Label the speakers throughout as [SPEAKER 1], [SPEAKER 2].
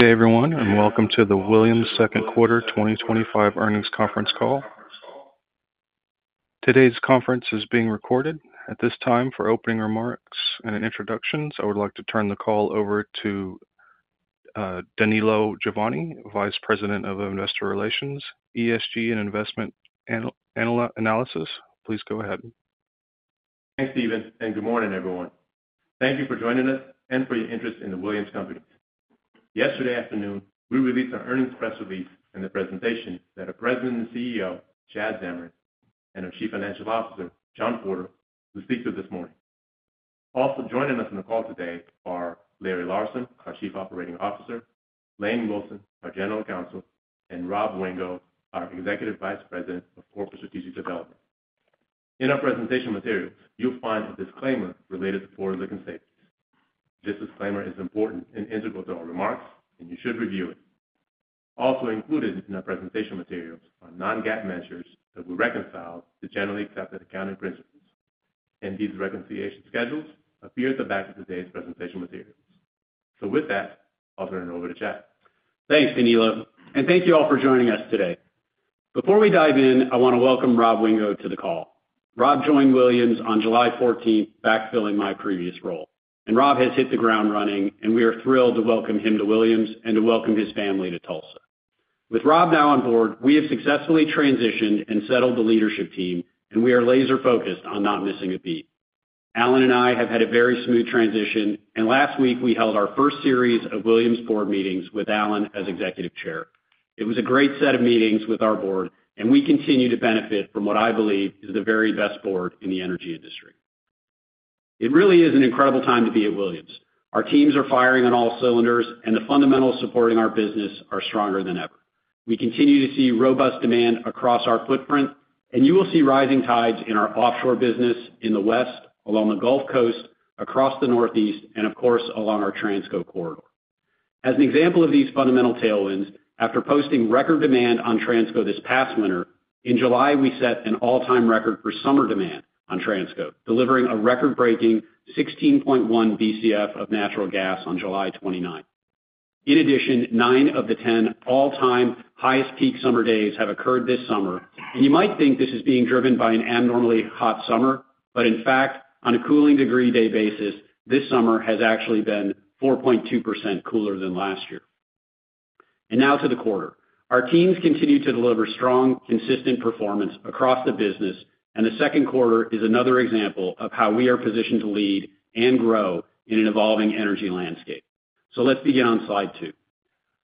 [SPEAKER 1] Good day everyone and welcome to the Williams second quarter 2025 earnings conference call. Today's conference is being recorded. At this time for opening remarks and introductions, I would like to turn the call over to Danilo Juvane, Vice President of Investor Relations, ESG, and Investment Analysis. Please go ahead.
[SPEAKER 2] Thanks, Stephen, and good morning, everyone. Thank you for joining us and for your interest in The Williams Companies. Yesterday afternoon, we released our earnings press release and the presentation that our President and CEO Chad Zamarin and our Chief Financial Officer John Porter will speak to this morning. Also joining us on the call today are Larry Larsen, our Chief Operating Officer, Lane Wilson, our General Counsel, and Rob Wingo, our Executive Vice President of Corporate Strategic Development. In our presentation materials, you'll find a disclaimer related to forward-looking statements. This disclaimer is important and integral to our remarks, and you should review it. Also included in our presentation materials are non-GAAP measures that we reconcile to generally accepted accounting principles. MD's reconciliation schedules appear at the back of today's presentation materials. With that, I'll turn it over to Chad.
[SPEAKER 3] Thanks Danilo and thank you all for joining us today. Before we dive in, I want to welcome Rob Wingo to the call. Rob joined Williams on July 14th, backfilling my previous role and Rob has hit the ground running and we are thrilled to welcome him to Williams and to welcome his family to Tulsa. With Rob now on board, we have successfully transitioned and settled the leadership team and we are laser focused on not missing a beat. Alan and I have had a very smooth transition and last week we held our first series of Williams board meetings with Alan as Executive Chair. It was a great set of meetings with our board and we continue to benefit from what I believe is the very best board in the energy industry. It really is an incredible time to be at Williams. Our teams are firing on all cylinders and the fundamentals supporting our business are stronger than ever. We continue to see robust demand across our footprint and you will see rising tides in our offshore business in the west, along the Gulf Coast, across the Northeast and of course along our Transco corridor as an example of these fundamental tailwinds. After posting record demand on Transco this past winter, in July we set an all-time record for summer demand on Transco, delivering a record-breaking 16.1 Bcf of natural gas on July 29th. In addition, nine of the 10 all-time highest peak summer days have occurred this summer and you might think this is being driven by an abnormally hot summer. In fact, on a cooling degree day basis this summer has actually been 4.2% cooler than last year. Now to the quarter. Our teams continue to deliver strong, consistent performance across the business, and the second quarter is another example of how we are positioned to lead and grow in an evolving energy landscape. Let's begin on slide two.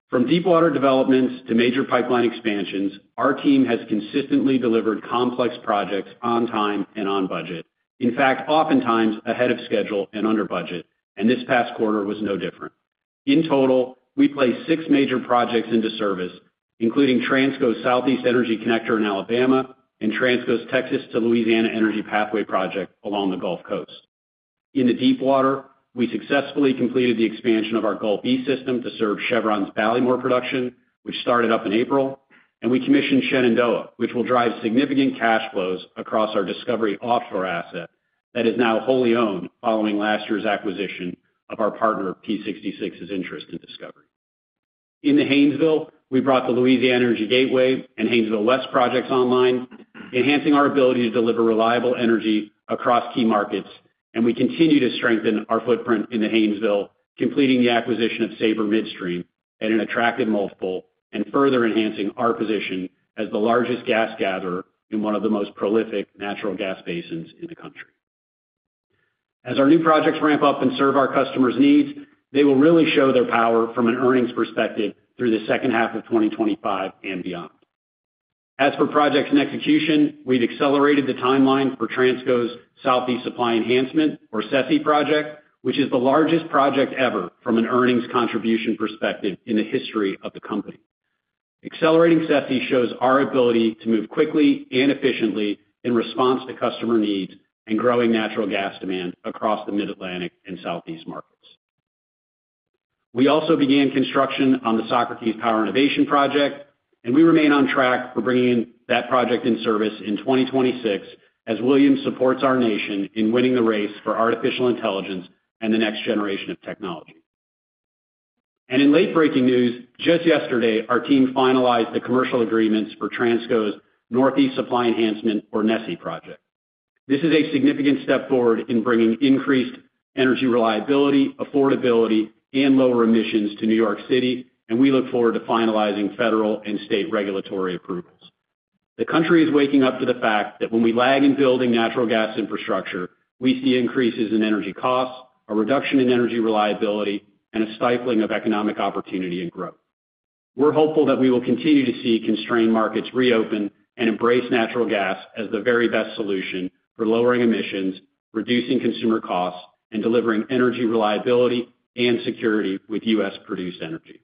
[SPEAKER 3] From deepwater developments to major pipeline expansions, our team has consistently delivered complex projects on time and on budget, in fact oftentimes ahead of schedule and under budget. This past quarter was no different. In total, we placed six major projects into service, including Transco Southeast Energy Connector in Alabama and Transco's Texas to Louisiana Energy Pathway project along the Gulf Coast. In the deepwater, we successfully completed the expansion of our Gulf B System to serve Chevron's Ballymore production, which started up in April. We commissioned Shenandoah, which will drive significant cash flows across our Discovery offshore asset that is now wholly owned. Following last year's acquisition of our partner P 66's interest in Discovery in the Haynesville, we brought the Louisiana Energy Gateway and Haynesville West projects online, enhancing our ability to deliver reliable energy across key markets. We continue to strengthen our footprint in the Haynesville, completing the acquisition of Saber Midstream at an attractive multiple and further enhancing our position as the largest gas gatherer in one of the most prolific natural gas basins in the country. As our new projects ramp up and serve our customers' needs, they will really show their power from an earnings perspective through the second half of 2025 and beyond. As for projects and execution, we've accelerated the timeline for Transco's Southeast Supply Enhancement, or SSE project, which is the largest project ever from an earnings contribution perspective in the history of the company. Accelerating SSE shows our ability to move quickly and efficiently in response to customer needs and growing natural gas demand across the Mid-Atlantic and Southeast markets. We also began construction on the Socrates Power Innovation Project and we remain on track for bringing that project in service in 2026 as Williams supports our nation in winning the race for artificial intelligence and the next generation of technology. In late breaking news, just yesterday our team finalized the commercial agreements for Transco's Northeast Supply Enhancement, or NESE, project. This is a significant step forward in bringing increased energy reliability, affordability, and lower emissions to New York City, and we look forward to finalizing federal and state regulatory approvals. The country is waking up to the fact that when we lag in building natural gas infrastructure, we see increases in energy costs, a reduction in energy reliability, and a stifling of economic opportunity and growth. We're hopeful that we will continue to see constrained markets reopen and embrace natural gas as the very best solution for lowering emissions, reducing consumer costs, and delivering energy reliability and security with U.S. produced energy.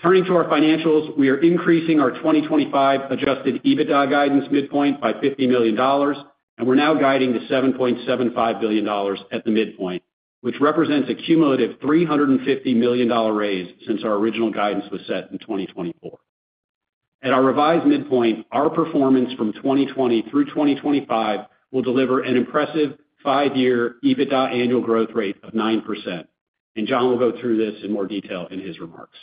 [SPEAKER 3] Turning to our financials, we are increasing our 2025 adjusted EBITDA guidance midpoint by $50 million, and we're now guiding to $7.75 billion at the midpoint, which represents a cumulative $350 million raise since our original guidance was set in 2024. At our revised midpoint, our performance from 2020 through 2025 will deliver an impressive five-year EBITDA annual growth rate of 9%, and John will go through this in more detail in his remarks.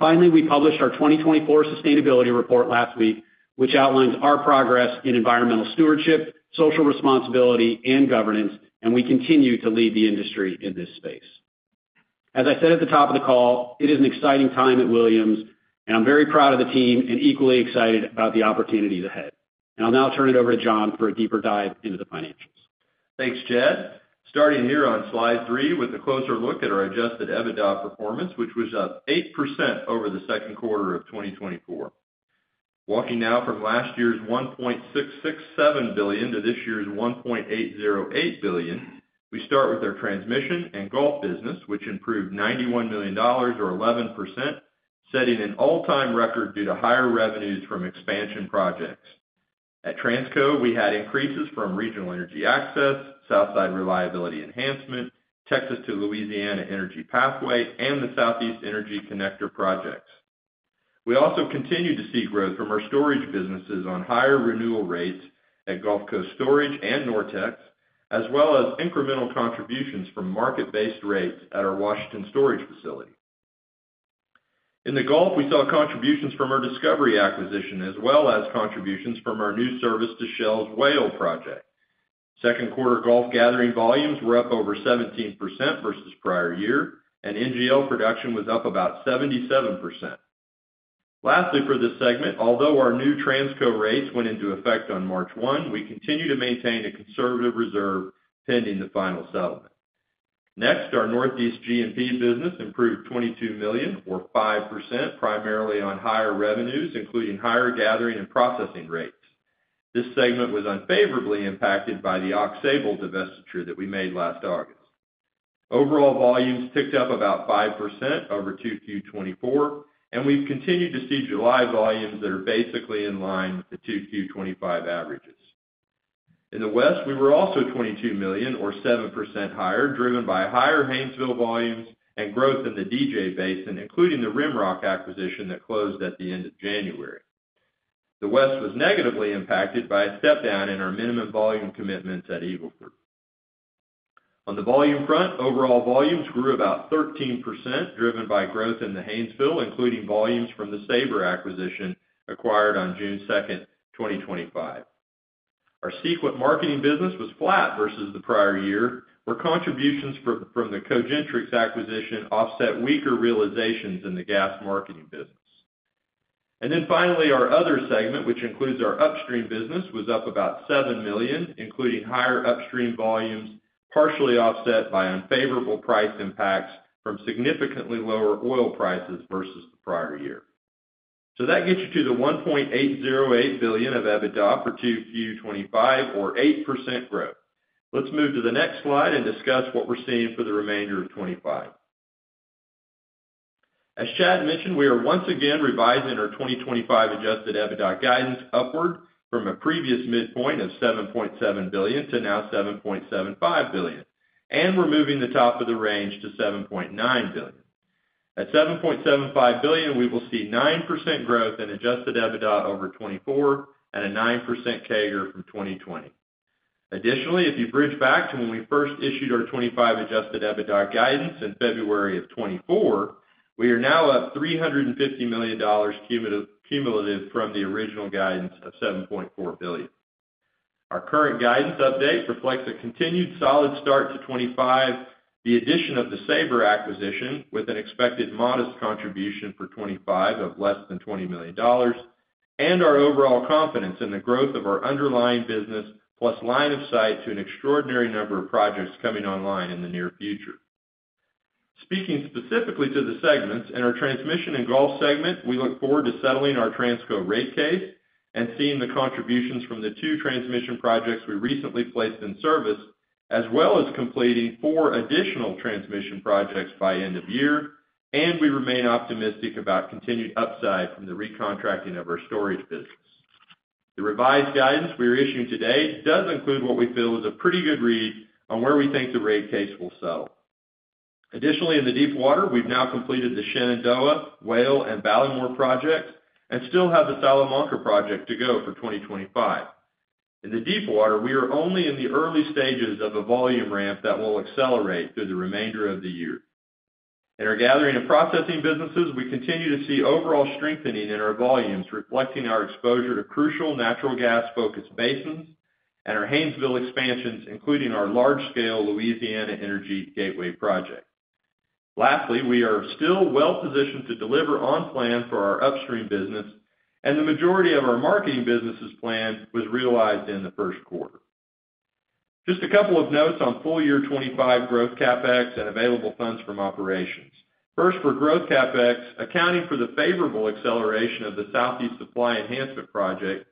[SPEAKER 3] Finally, we published our 2024 sustainability report last week, which outlines our progress in environmental stewardship, social responsibility, and governance, and we continue to lead the industry in this space. As I said at the top of the call, it is an exciting time at Williams, and I'm very proud of the team and equally excited about the opportunity ahead. I'll now turn it over to John for a deeper dive into the financials.
[SPEAKER 4] Thanks Chad. Starting here on slide three with a closer look at our adjusted EBITDA performance, which was up 8% over the second quarter of 2024. Walking now from last year's $1.667 billion to this year's $1.808 billion, we start with our transmission and Gulf business which improved $91 million or 11%, setting an all-time record due to higher revenues from expansion projects. At Transco, we had increases from Regional Energy Access, Southside Reliability Enhancement, Texas to Louisiana Energy Pathway, and the Southeast Energy Connector projects. We also continued to see growth from our storage business on higher renewal rates at Gulf Coast Storage and NorTex as well as incremental contributions from market-based rates. At our Washington storage facility in the Gulf, we saw contributions from our Discovery acquisition as well as contributions from our new service to Shell's Whale project. Second quarter Gulf gathering volumes were up over 17% versus prior year and NGL production was up about 77%. Lastly, for this segment, although our new Transco rates went into effect on March 1, we continue to maintain a conservative reserve pending the final settlement. Next, our Northeast G&P business improved $22 million or 5%, primarily on higher revenues including higher gathering and processing rates. This segment was unfavorably impacted by the Aux Sable divestiture that we made last August. Overall, volumes picked up about 5% over 2Q 2024 and we've continued to see July volumes that are basically in line with the 2Q 2025 averages. In the West, we were also $22 million or 7% higher, driven by higher Haynesville volumes and growth in the DJ Basin, including the Rimrock acquisition that closed at the end of January. The West was negatively impacted by a step down in our minimum volume commitments at Eagle Ford. On the volume front, overall volumes grew about 13%, driven by growth in the Haynesville, including volumes from the Saber acquisition acquired on June 2nd, 2025. Our Sequent marketing business was flat versus the prior year, where contributions from the Cogentrix acquisition offset weaker realizations in the gas marketing business. Finally, our other segment, which includes our upstream business, was up about $7 million, including higher upstream volumes, partially offset by unfavorable price impacts from significantly lower oil prices versus the prior year. That gets you to the $1.808 billion of EBITDA for 2Q 2025 or 8% growth. Let's move to the next slide and discuss what we're seeing for the remainder of 2025. As Chad mentioned, we are once again revising our 2025 adjusted EBITDA guidance upward from a previous midpoint of $7.7 billion to now $7.75 billion, and we're moving the top of the range to $7.9 billion. At $7.75 billion, we will see 9% growth in adjusted EBITDA over 2024 and a 9% CAGR from 2020. Additionally, if you bridge back to when we first issued our 2025 adjusted EBITDA guidance in February of 2024, we are now at a $350 million cumulative increase from the original guidance of $7.4 billion. Our current guidance update reflects a continued solid start to 2025, the addition of the Saber acquisition with an expected modest contribution for 2025 of less than $20 million, and our overall confidence in the growth of our underlying business plus line of sight to an extraordinary number of projects coming online in the near future. Speaking specifically to the segments and our transmission and Gulf segment, we look forward to settling our Transco rate case and seeing the contributions from the two transmission projects we recently placed in service, as well as completing four additional transmission projects by end of year. We remain optimistic about continued upside from the recontracting of our storage business. The revised guidance we are issuing today does include what we feel is a pretty good read on where we think the rate case will settle. Additionally, in the deepwater, we've now completed the Shenandoah, Whale, and Ballymore projects and still have the Salamanca project to go for 2025. In the deepwater, we are only in the early stages of a volume ramp that will accelerate through the remainder of the year. In our gathering and processing businesses, we continue to see overall strengthening in our volumes reflecting our exposure to crucial natural gas focused basins and our Haynesville expansions including our large-scale Louisiana Energy Gateway project. Lastly, we are still well positioned to deliver on plan for our upstream business and the majority of our marketing business plan was realized in the first quarter. Just a couple of notes on full year 2025 growth CapEx and available funds from operations. First, for growth CapEx, accounting for the favorable acceleration of the Southeast Supply Enhancement project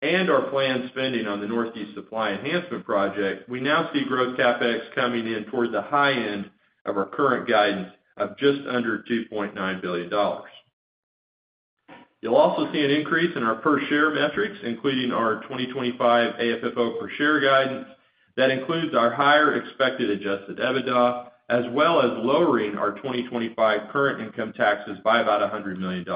[SPEAKER 4] and our planned spending on the Northeast Supply Enhancement project, we now see growth CapEx coming in toward the high end of our current guidance of just under $2.9 billion. You'll also see an increase in our per share metrics, including our 2025 AFFO per share guidance that includes our higher expected adjusted EBITDA as well as lowering our 2025 current income taxes by about $100 million.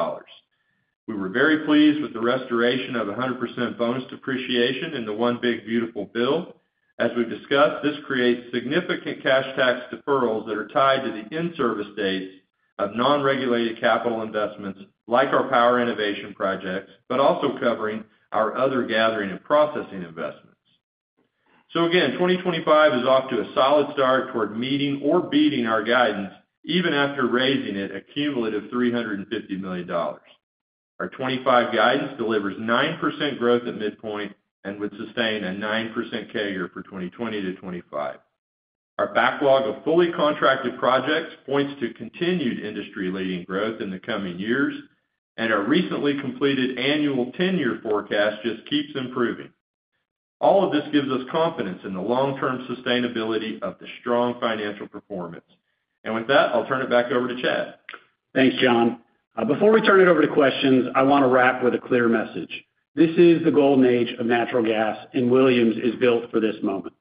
[SPEAKER 4] We were very pleased with the restoration of 100% bonus depreciation in the One Big Beautiful Bill. As we've discussed, this creates significant cash tax deferrals that are tied to the in-service days of non-regulated capital investments like our power innovation projects, but also covering our other gathering and processing investments. 2025 is off to a solid start toward meeting or beating our guidance. Even after raising it a cumulative $350 million, our 2025 guidance delivers 9% growth at midpoint and would sustain a 9% CAGR for 2020-2025. Our backlog of fully contracted projects points to continued industry-leading growth in the coming years. Our recently completed annual 10-year forecast just keeps improving. All of this gives us confidence in the long-term sustainability of the strong financial performance. With that, I'll turn it back over to Chad.
[SPEAKER 3] Thanks, John. Before we turn it over to questions, I want to wrap with a clear message. This is the golden age of natural gas, and Williams is built for this moment.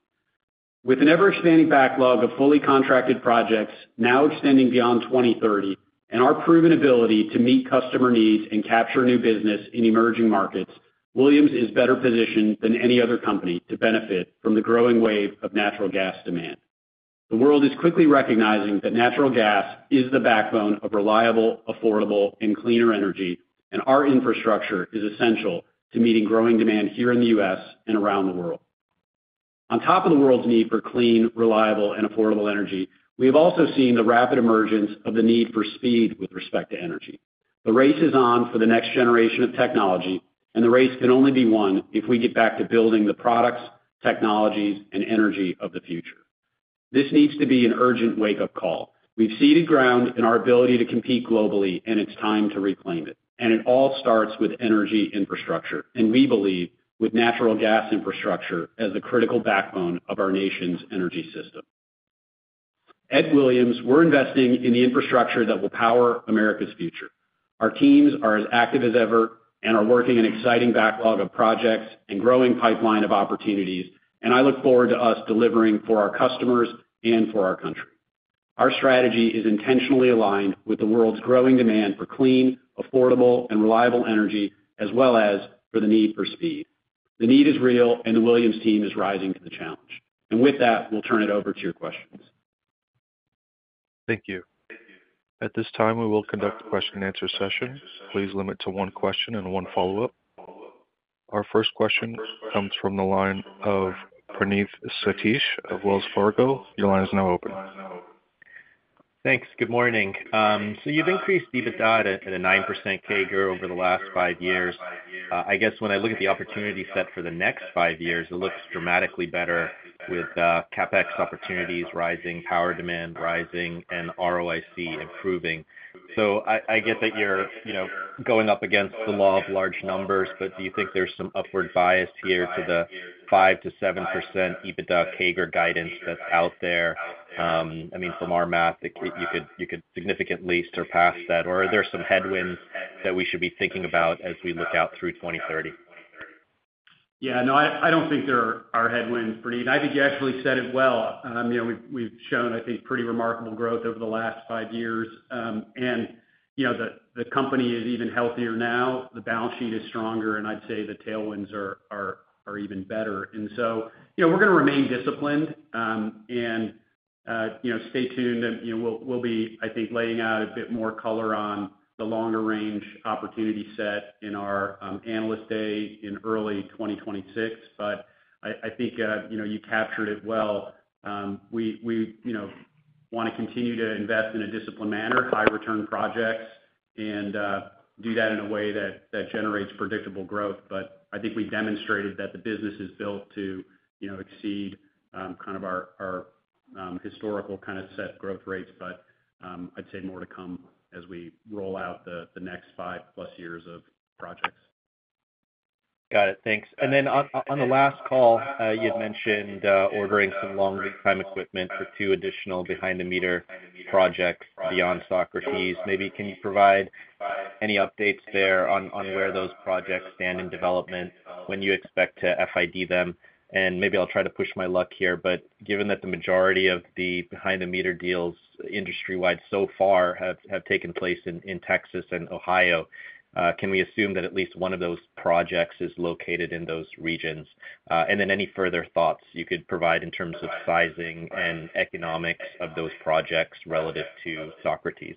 [SPEAKER 3] With an ever-expanding backlog of fully contracted projects now extending beyond 2030 and our proven ability to meet customer needs and capture new business in emerging markets, Williams is better positioned than any other company to benefit from the growing wave of natural gas demand. The world is quickly recognizing that natural gas is the backbone of reliable, affordable, and cleaner energy, and our infrastructure is essential to meeting growing demand here in the U.S. and around the world. On top of the world's need for clean, reliable, and affordable energy, we have also seen the rapid emergence of the need for speed with respect to energy. The race is on for the next generation of technology, and the race can only be won if we get back to building the products, technologies, and energy of the future. This needs to be an urgent wake-up call. We've ceded ground in our ability to compete globally, and it's time to reclaim it. It all starts with energy infrastructure, and we believe with natural gas infrastructure as the critical backbone of our nation's energy system. At Williams, we're investing in the infrastructure that will power America's future. Our teams are as active as ever and are working an exciting backlog of projects and growing pipeline of opportunities. I look forward to us delivering for our customers and for our country. Our strategy is intentionally aligned with the world's growing demand for clean, affordable, and reliable energy as well as for the need for speed. The need is real, and the Williams team is rising to the challenge. With that, we'll turn it over to your questions.
[SPEAKER 1] Thank you. At this time, we will conduct a question and answer session. Please limit to one question and one follow-up. Our first question comes from the line of Praneeth Satish of Wells Fargo. Your line is now open.
[SPEAKER 5] Thanks. Good morning. You've increased EBITDA at a 9% CAGR over the last five years. I guess when I look at the opportunity set for the next five years, it looks dramatically better with CapEx opportunities rising power demand rising and ROIC improving. I get that you're going up against the law of large numbers. Do you think there's some upward bias here to the 5%-7% EBITDA CAGR guidance that's out there? I mean, from our math you could significantly surpass that. Are there some headwinds that we should be thinking about as we look out through 2030?
[SPEAKER 3] Yeah, no, I don't think there are headwinds. Praneeth, I think you actually said it well. We've shown, I think, pretty remarkable growth over the last five years and, you know, the company is even healthier now, the balance sheet is stronger and I'd say the tailwinds are even better. We're going to remain disciplined and, you know, stay tuned. We'll be, I think, laying out a bit more color on the longer range opportunity set in our analyst day in early 2026. I think you captured it well. We want to continue to invest in a disciplined manner, high return projects and do that in a way that generates predictable growth. I think we demonstrated that the business is built to exceed our historical set growth rates. I'd say more to come as we roll out the next five plus years of projects.
[SPEAKER 5] Got it, thanks. On the last call you'd mentioned ordering some long lead time equipment for two additional behind the meter projects beyond Socrates. Maybe. Can you provide any updates there on where those projects stand in development, when you expect to FID them? Maybe I'll try to push my luck here, given that the majority of the behind-the-meter deals industry wide so far have taken place in Texas and Ohio, can we assume that at least one of those projects is located in those regions? Any further thoughts you could provide in terms of sizing and economics of those projects relative to Socrates?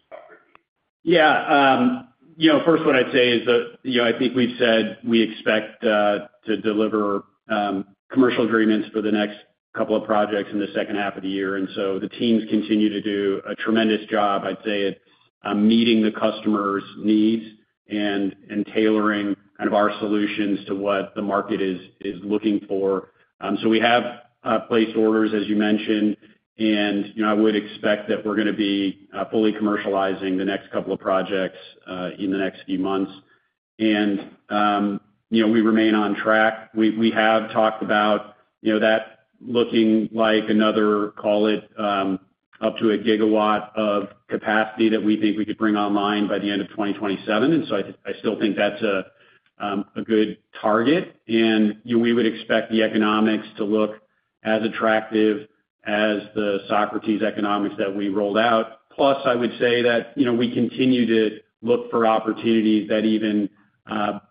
[SPEAKER 3] Yeah, you know, first one I'd say is that I think we've said we expect to deliver commercial agreements for the next couple of projects in the second half of the year. The teams continue to do a tremendous job, I'd say, at meeting the customer's needs and tailoring kind of our solutions to what the market is looking for. We have placed orders, as you mentioned, and I would expect that we're going to be fully commercializing the next couple of projects in the next few months and we remain on track. We have talked about that looking like another, call it, up to 1 GW of capacity that we think we could bring online by the end of 2027. I still think that's a good target and we would expect the economics to look as attractive as the Socrates economics that we rolled out. Plus, I would say that we continue to look for opportunities that even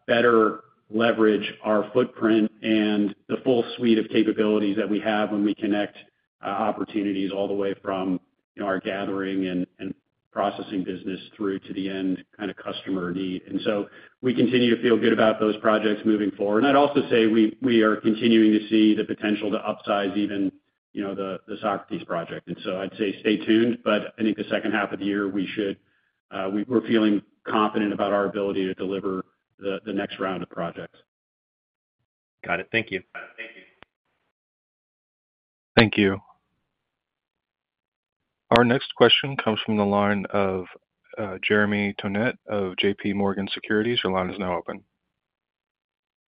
[SPEAKER 3] better leverage our footprint and the full suite of capabilities that we have when we connect opportunities all the way from our gathering and processing business through to the end kind of customer need. We continue to feel good about those projects moving forward. I'd also say we are continuing to see the potential to upsize even the Socrates project. I'd say stay tuned, but I think the second half of the year we're feeling confident about our ability to deliver the next round of projects.
[SPEAKER 5] Got it. Thank you.
[SPEAKER 1] Thank you. Our next question comes from the line of Jeremy Tonet of JPMorgan Securities. Your line is now open.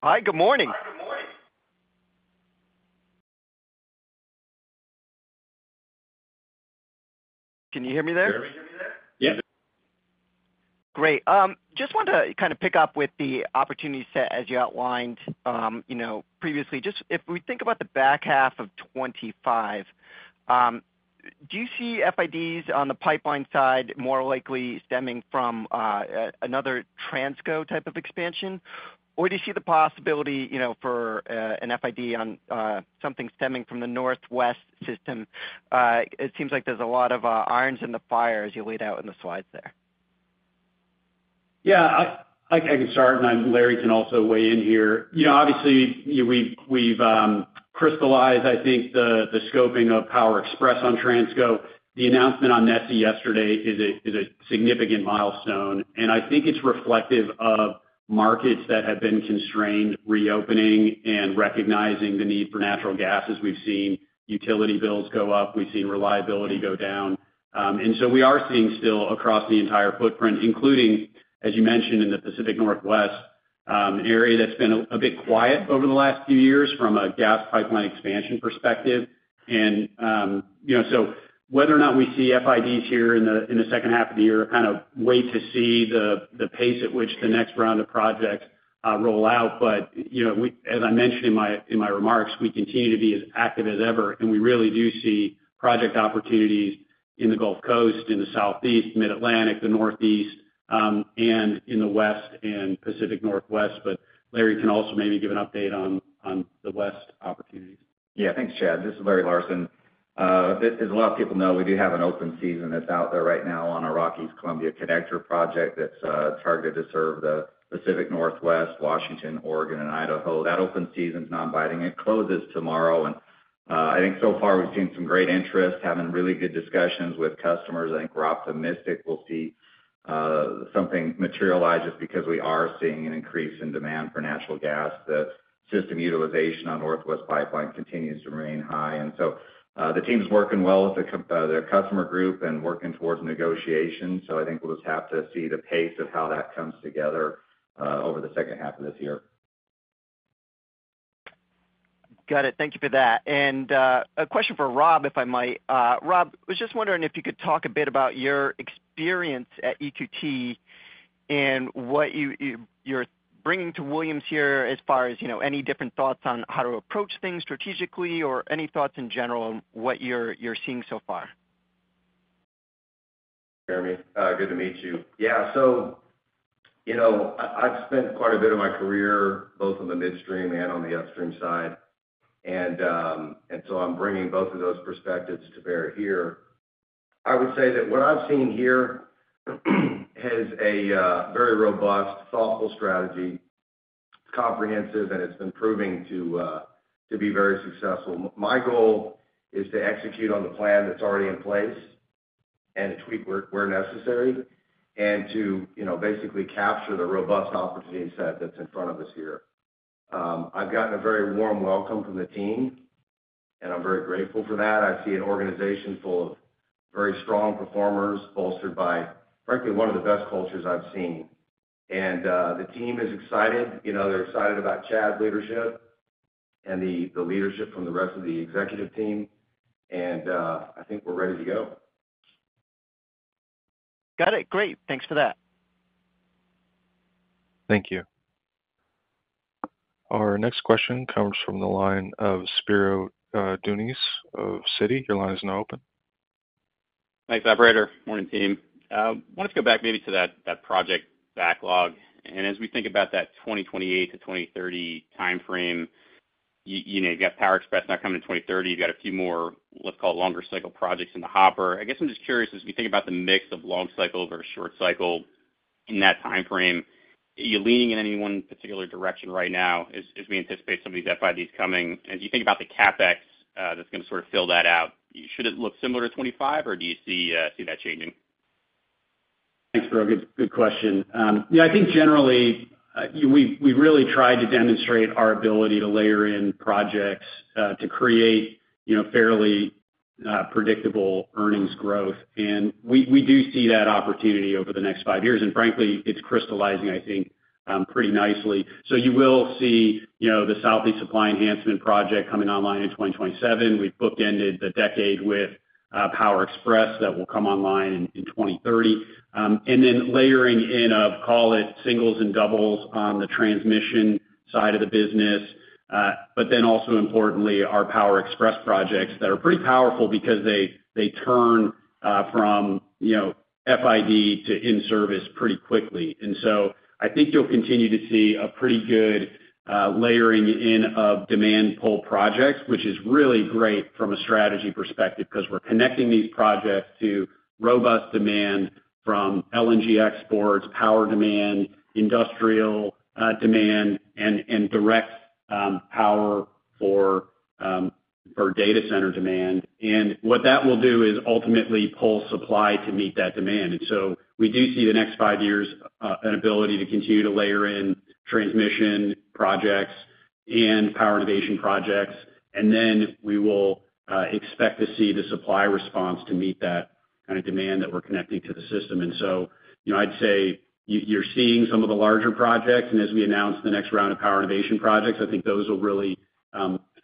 [SPEAKER 6] Hi, good morning. Can you hear me there?
[SPEAKER 3] Yeah.
[SPEAKER 6] Great. Just want to kind of pick up with the opportunity set as you outlined, you know, previously. Just if we think about the back half of 2025, do you see FIDs on the pipeline side more likely stemming from another Transco type of expansion or do you see the possibility for an FID on something stemming from the Northwest system? It seems like there's a lot of irons in the fire as you laid out in the slides there.
[SPEAKER 3] Yeah, I could start and Larry can also weigh in here. Obviously we've crystallized, I think, the scoping of Power Express on Transco. The announcement on NESE yesterday is a significant milestone and I think it's reflective of markets that have been constrained reopening and recognizing the need for natural gas. As we've seen utility bills go up, we've seen reliability go down. We are seeing still across the entire footprint, including as you mentioned, in the Pacific Northwest area that's been a bit quiet over the last few years from a gas pipeline expansion perspective. Whether or not we see FIDs here in the second half of the year, kind of wait to see the pace at which the next round of project roll out. As I mentioned in my remarks, we continue to be as active as ever and we really do see project opportunities in the Gulf Coast, in the Southeast, Mid-Atlantic, the Northeast, and in the West and Pacific Northwest. Larry can also maybe give an update on the West opportunity.
[SPEAKER 7] Yeah, thanks, Chad. This is Larry Larsen. As a lot of people know, we do have an open season that's out there right now on our Rockies Columbia Connector Project that's targeted to serve the Pacific Northwest, Washington, Oregon, and Idaho. That open season, non-binding, it closes tomorrow. I think so far we've seen some great interest, having really good discussions with customers. I think we're optimistic we'll see something materialize, just because we are seeing an increase in demand for natural gas. That system utilization on Northwest Pipeline continues to remain high. The team is working well with their customer group and working towards negotiations. I think we'll just have to see the pace of how that comes together over the second half of this year.
[SPEAKER 6] Got it. Thank you for that. A question for Rob, if I might. Rob, was just wondering if you could talk a bit about your experience at EQT and what you're bringing to Williams here as far as any different thoughts on how to approach things strategically or any thoughts in general and what you're seeing so far.
[SPEAKER 8] Jeremy, good to meet you. Yeah. I've spent quite a bit of my career both on the midstream and on the upstream side. I'm bringing both of those perspectives to bear here. I would say that what I've seen here has a very robust, thoughtful strategy, comprehensive, and it's been proving to be very successful. My goal is to execute on the plan that's already in place and to tweak where necessary. Basically, capture the robust opportunity set that's in front of us here. I've gotten a very warm welcome from the team, and I'm very grateful for that. I see an organization full of very strong performers, bolstered by, frankly, one of the best cultures I've seen. The team is excited. You know, they're excited about Chad's leadership. The leadership from the rest of the executive team is strong, and I think we're ready to go.
[SPEAKER 6] Got it. Great. Thanks for that.
[SPEAKER 1] Thank you. Our next question comes from the line of Spiro Dounis of Citi. Your line is now open.
[SPEAKER 9] Thanks, operator. Morning team, wanted to go back maybe to that project backlog. As we think about that 2028-2030 time frame, you know, you've got Power Express now coming in 2030. You've got a few more, let's call longer cycle projects in the hopper. I guess I'm just curious, as we think about the mix of long cycle versus short cycle in that timeframe, are you leaning in any one particular direction right now as we anticipate some of these FID coming? As you think about the CapEx that's going to sort of fill that out. Should it look similar to 2025, or do you see that changing?
[SPEAKER 3] Thanks, Spiro. Good question. Yeah, I think generally we really tried to demonstrate our ability to layer in projects to create fairly predictable earnings growth. We do see that opportunity over the next five years. Frankly, it's crystallizing, I think, pretty nicely. You will see the Southeast Supply Enhancement project coming online in 2027. We bookended the decade with Power Express that will come online in 2030, and then layering in of, call it, singles and doubles on the transmission side of the business. Also, importantly, our Power Express projects are pretty powerful because they turn from, you know, FID to in service pretty quickly. I think you'll continue to see a pretty good layering in of demand pull projects, which is really great from a strategy perspective because we're connecting these projects to robust demand from LNG exports, power demand, industrial demand, and direct power or data center demand. What that will do is ultimately pull supply to meet that demand. We do see the next five years as an ability to continue to layer in transmission projects and power innovation projects. We will expect to see the supply response to meet that kind of demand that we're connecting to the system. I'd say you're seeing some of the larger projects. As we announce the next round of power innovation projects, I think those will really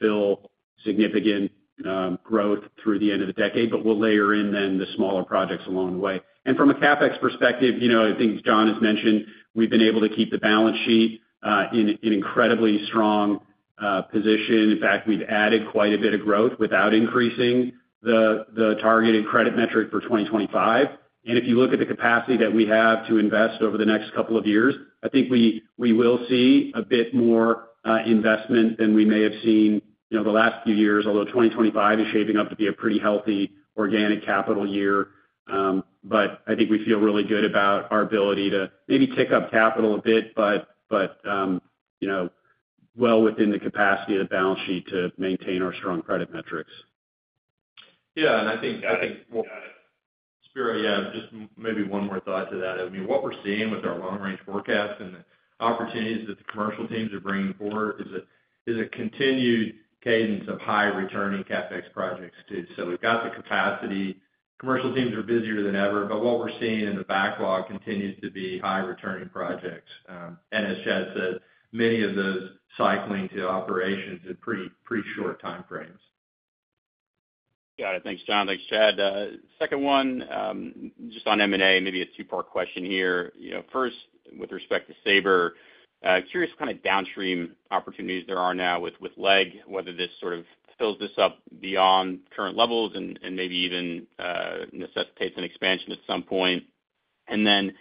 [SPEAKER 3] fill significant growth through the end of the decade. We'll layer in then the smaller projects along the way. From a CapEx perspective, I think John has mentioned we've been able to keep the balance sheet in incredibly strong position. In fact, we've added quite a bit of growth without increasing the targeted credit metric for 2025. If you look at the capacity that we have to invest over the next couple of years, I think we will see a bit more investment than we may have seen the last few years, although 2025 is shaping up to be a pretty healthy organic capital year. I think we feel really good about our ability to maybe take up capital a bit, but well within the capacity of the balance sheet to maintain our strong credit metrics.
[SPEAKER 4] Yeah, I think, Spiro, just maybe one more thought to that. I mean, what we're seeing with our long range forecast and the opportunities that the commercial teams are bringing forth is a continued cadence of high returning CapEx projects too. We've got the capacity, commercial teams are busier than ever. What we're seeing in the backlog continues to be high returning projects and as Chad said, many of those cycling to operations in pretty, pretty short time frames.
[SPEAKER 9] Got it. Thanks, John. Thanks, Chad. Second one, just on M&A, maybe a two-part question here. You know, first with respect to Saber, curious kind of downstream opportunities there are now with LEG, whether this sort of fills this up beyond current levels and maybe even necessitates an expansion at some point. Then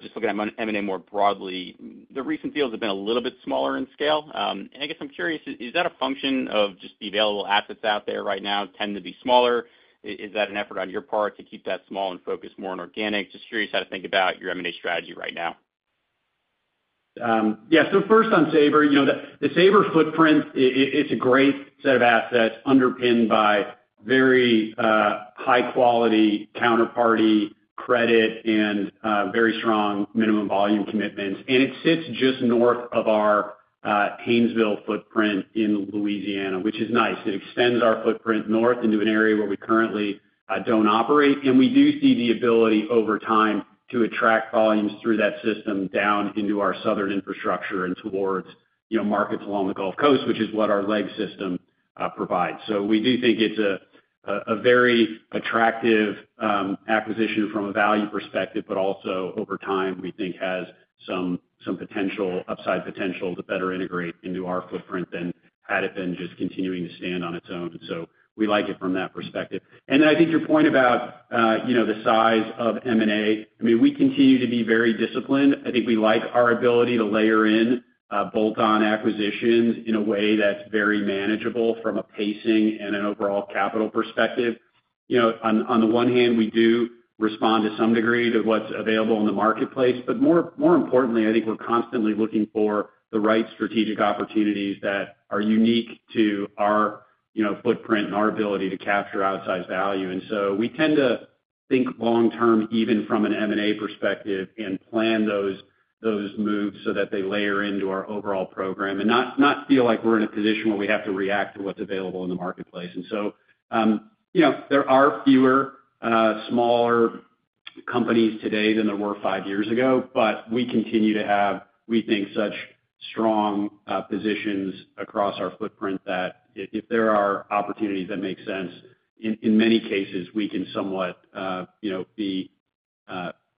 [SPEAKER 9] just look at M&A more broadly. The recent deals have been a little bit smaller in scale. I guess I'm curious, is that a function of just the available assets out there right now tend to be smaller? Is that an effort on your part to keep that small and focus more on organic? Just curious how to think about your M&A strategy right now.
[SPEAKER 3] Yeah. First on Saber, the Saber footprint, it's a great set of assets underpinned by very high quality counterparty credit and very strong minimum volume commitments. It sits just north of our Haynesville footprint in Louisiana, which is nice. It extended our footprint north into an area where we currently don't operate. We do see the ability over time to attract volumes through that system down into our southern infrastructure and towards, you know, markets along the Gulf Coast, which is what our LEG system provides. We do think it's a very attractive acquisition from a value perspective but also over time we think has some potential, upside, potential to better integrate into our footprint than had it been just continuing to stand on its own. We like it from that perspective. I think your point about, you know, the size of M&A, I mean we continue to be very disciplined. I think we like our ability to layer in bolt-on acquisitions in a way that's very manageable from a pacing and an overall capital perspective. On the one hand we do respond to some degree to what's available in the marketplace. More importantly, I think we're constantly looking for the right strategic opportunities that are unique to our footprint and our ability to capture outsized value. We tend to think long term, even from an M&A perspective and plan those moves so that they layer into our overall program and not, not feel like we're in a position where we have to react to what's available in the marketplace. There are fewer smaller companies today than there were five years ago. We continue to have, we think, such strong positions across our footprint that if there are opportunities that make sense in many cases we can somewhat, you know, be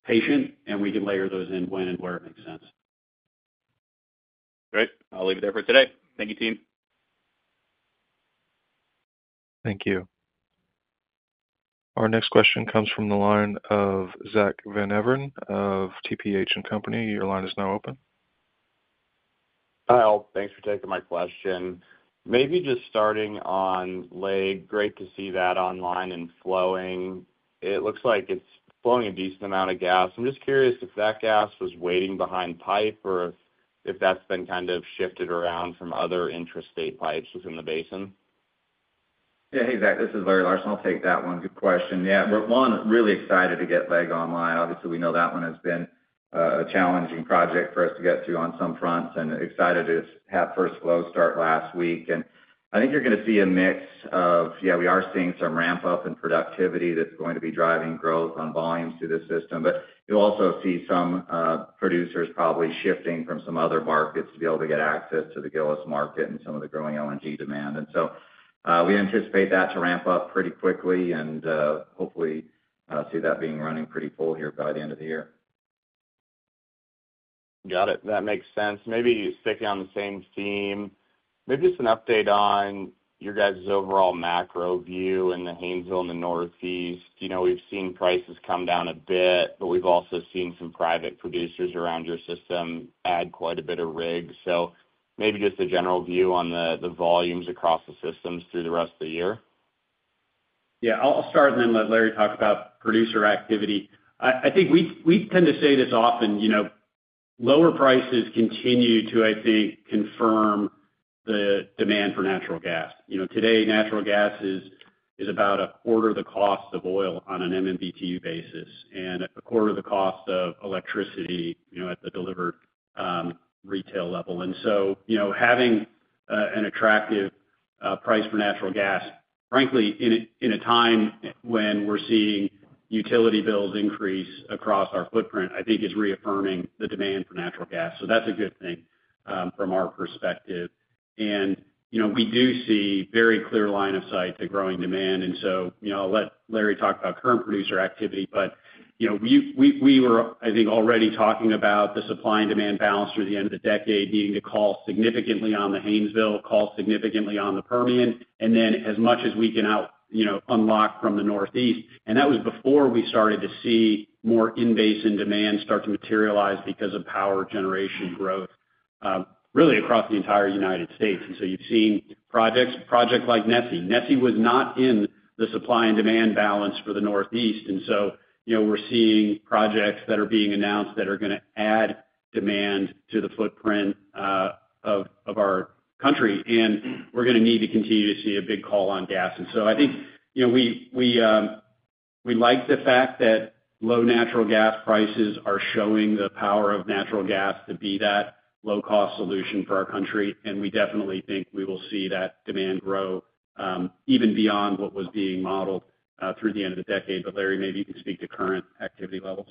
[SPEAKER 3] patient and we can layer those in when and where it makes sense.
[SPEAKER 9] Great. I'll leave it there for today. Thank you team.
[SPEAKER 1] Thank you. Our next question comes from the line of Zack Van Everen of TPH&Co. Your line is now open.
[SPEAKER 10] Hi all, thanks for taking my question. Maybe just starting on LEG. Great to see that online and flowing. It looks like it's flowing a decent amount of gas. I'm just curious if that gas was waiting behind pipe or if that's been kind of shifted around from other intrastate pipes within the basin.
[SPEAKER 7] Yeah, exactly. This is Larry Larsen. I'll take that one. Good question. Yeah, we're really excited to get LEG online. Obviously, we know that one has been a challenging project for us to get through on some fronts and excited to have first flow start last week. I think you're going to see a mix of, yeah, we are seeing some ramp up in productivity that's going to be driving growth on volumes through. You also see some producers probably shifting from some other markets to be able to get access to the Gillis market and some of the growing LNG demand. We anticipate that to ramp up pretty quickly and hopefully see that being running pretty full here by the end of the year.
[SPEAKER 10] Got it. That makes sense. Maybe sticking on the same theme. Just an update on you guys overall macro view in the Haynesville, in the Northeast, you know we've seen prices come down a bit, but we've also seen some private producers around your system add quite a bit of rig. Maybe just a general view on the volumes across the systems through the rest of the year.
[SPEAKER 3] Yeah, I'll start and then let Larry talk about producer activity. I think we tend to say this often. Lower prices continue to, I think, confirm the demand for natural gas. Today natural gas is about a quarter of the cost of oil on an MMBtu basis and a quarter of the cost of electricity at the delivered retail level. Having an attractive price for natural gas, frankly, in a time when we're seeing utility bills increase across our footprint, I think is reaffirming the demand for natural gas. That's a good thing from our perspective. We do see very clear line of sight to growing demand. Larry, talk about current producer activity, but we were, I think, already talking about the supply and demand balance through the end of the decade needing to call significantly on the Haynesville, call significantly on the Permian, and then as much as we can unlock from the Northeast. That was before we started to see more in basin demand start to materialize because of power generation growth really across the entire United States. You've seen projects like NESE. NESE was not in the supply and demand balance for the Northeast. We're seeing projects that are being announced that are going to add demand to the footprint of our country, and we're going to need to continue to see a big call on gas. I think we like the fact that low natural gas prices are showing the power of natural gas to be that low cost solution for our country. We definitely think we will see that demand grow even beyond what was being modeled through the end of the decade. Larry, maybe you could speak to current activity levels.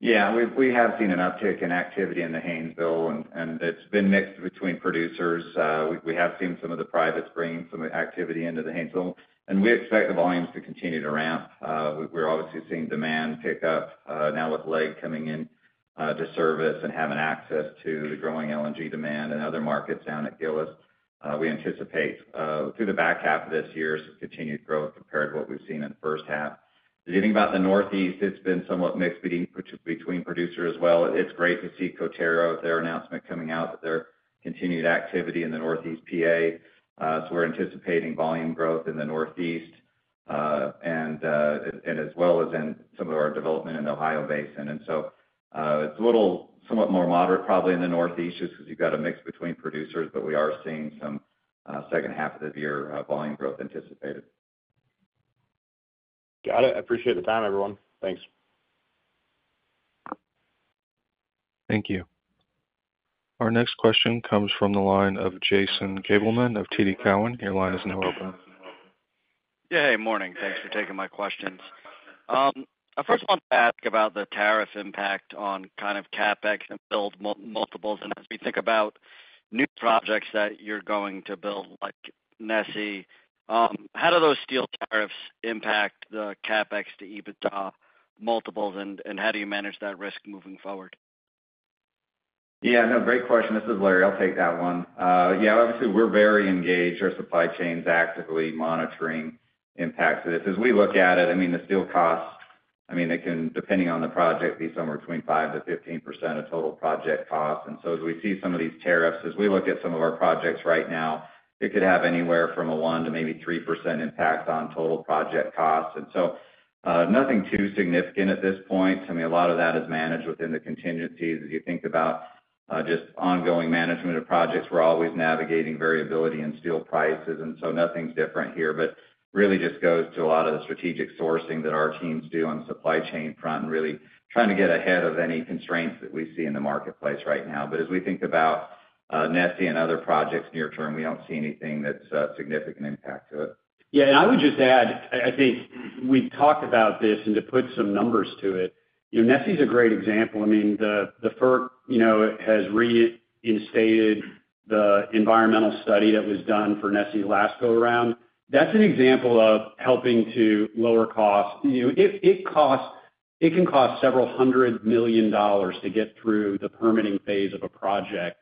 [SPEAKER 7] Yeah, we have seen an uptick in activity in the Haynesville and it's been mixed between producers. We have seen some of the privates bringing some activity into the Haynesville and we expect the volumes to continue to ramp. We're obviously seeing demand pick up now, look Lake coming into service and having access to the growing LNG demand and other markets down at Gillis. We anticipate through the back half of this year continued growth compared to what we've seen in the first half. If you think about the Northeast, it's been somewhat mixed between producers as well. It's great to see Coterra, their announcement coming out, their continued activity in the Northeast P.A., so we're anticipating volume growth in the Northeast and as well as in some of our development in the Ohio Basin. It's a little somewhat more moderate probably in the Northeast because you've got a mix between producers. We are seeing some second half of the year volume growth anticipated.
[SPEAKER 10] Got it. I appreciate the time, everyone. Thanks.
[SPEAKER 1] Thank you. Our next question comes from the line of Jason Gabelman of TD Cowen. Your line is now open.
[SPEAKER 11] Yay. Morning. Thanks for taking my questions. I first want to ask about the tariff impact on kind of CapEx and build multiples. As we think about new projects that you're going to build like NESE, how do those steel tariffs impact the CapEx to EBITDA multiples, and how do you manage that risk moving forward?
[SPEAKER 7] Yeah, no, great question. This is Larry, I'll take that one. Yeah, obviously we're very engaged, our supply chains actively monitoring impact. As we look at it, the steel costs, I mean it can, depending on the project, be somewhere between 5%-15% of total project costs. As we see some of these tariffs, as we look at some of our projects right now, it could have anywhere from a 1% to maybe 3% impact on total project costs. Nothing too significant at this point. A lot of that is managed within the contingencies as you think about just ongoing management of projects. We're always navigating variability in steel prices. Nothing's different here, but it really just goes to a lot of the strategic sourcing that our teams do on the supply chain front and really trying to get ahead of any constraints that we see in the marketplace right now. As we think about NESE and other projects near term, we don't see anything that's a significant impact to it.
[SPEAKER 3] Yeah, I would just add, I think we talked about this and to put some numbers to it. You know, NESE is a great example. I mean, the FERC has reinstated the environmental study that was done for NESE last go around. That's an example of helping to lower cost. It can cost several hundred million dollars to get through the permitting phase of a project.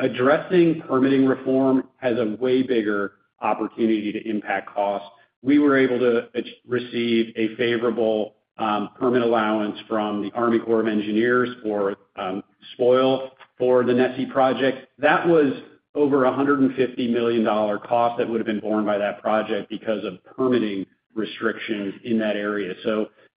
[SPEAKER 3] Addressing permitting reform has a way bigger opportunity to impact costs. We were able to receive a favorable permit allowance from the Army Corps of Engineers for spoil for the NESE project. That was over $150 million cost that would have been borne by that project because of permitting restrictions in that area.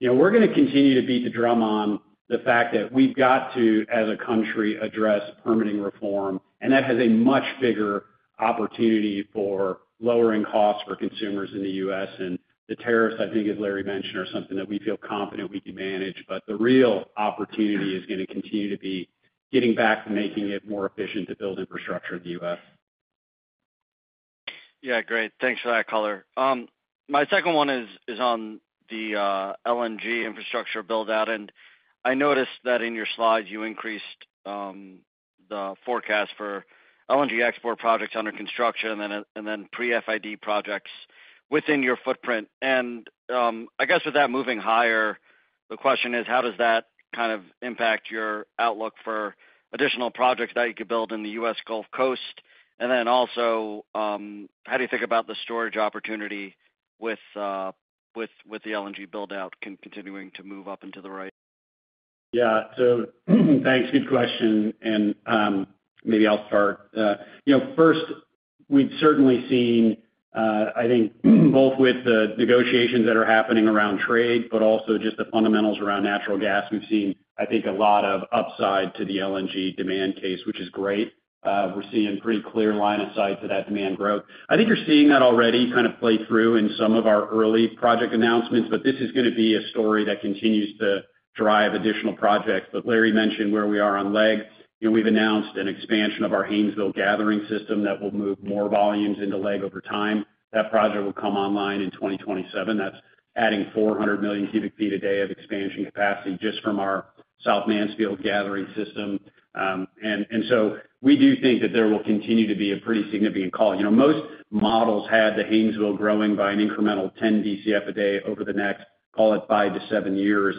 [SPEAKER 3] We're going to continue to beat the drum on the fact that we've got to as a country address permitting reform, and that has a much bigger opportunity for lowering costs for consumers in the U.S., and the tariffs, I think, as Larry mentioned, are something that we feel confident we can manage. The real opportunity is going to continue to be getting back to making it more efficient to build infrastructure in the U.S.
[SPEAKER 11] Yeah, great. Thanks for that color. My second one is on the LNG infrastructure buildout. I noticed that in your slide you increased the forecast for LNG export projects under construction and then pre-FID projects within your footprint. With that moving higher, the question is how does that kind of impact your outlook for additional projects that you could build in the U.S. Gulf Coast? Also, how do you think about the storage opportunity with the LNG buildout continuing to move up and to the right?
[SPEAKER 3] Yeah, thanks. Good question. Maybe I'll start first. We've certainly seen, I think, both with the negotiations that are happening around trade, but also just the fundamentals around natural gas. I think a lot of upside to the LNG demand case, which is great. We're seeing pretty clear line of sight to that demand growth. I think you're seeing that already kind of play through in some of our early project announcements. This is going to be a story that continues to drive additional projects. Larry mentioned where we are on LEG, and we've announced an expansion of our Haynesville gathering system that will move more volumes into LEG over time. That project will come online in 2027, adding 400 MMcf a day of expansion capacity just from our South Mansfield gathering system. We do think that there will continue to be a pretty significant call. Most models had the Haynesville growing by an incremental 10 Bcf a day over the next, call it five to seven years.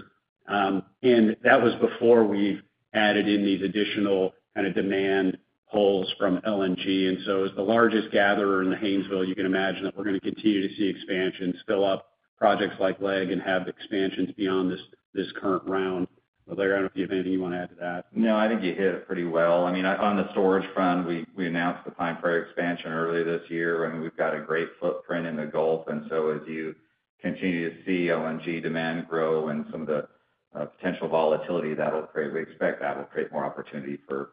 [SPEAKER 3] That was before we've added in these additional kind of demand pulls from LNG. As the largest gatherer in Haynesville, you can imagine that we're going to continue to see expansion fill up projects like LEG and have expansions beyond this current round. Larry, I don't know if you have anything you want to add to that.
[SPEAKER 7] No, I think you hit it pretty well. I mean, on the storage front, we announced the plan for expansion earlier this year, and we've got a great footprint in the Gulf. As you continue to see LNG demand grow and some of the potential volatility that'll create, we expect that will create more opportunity for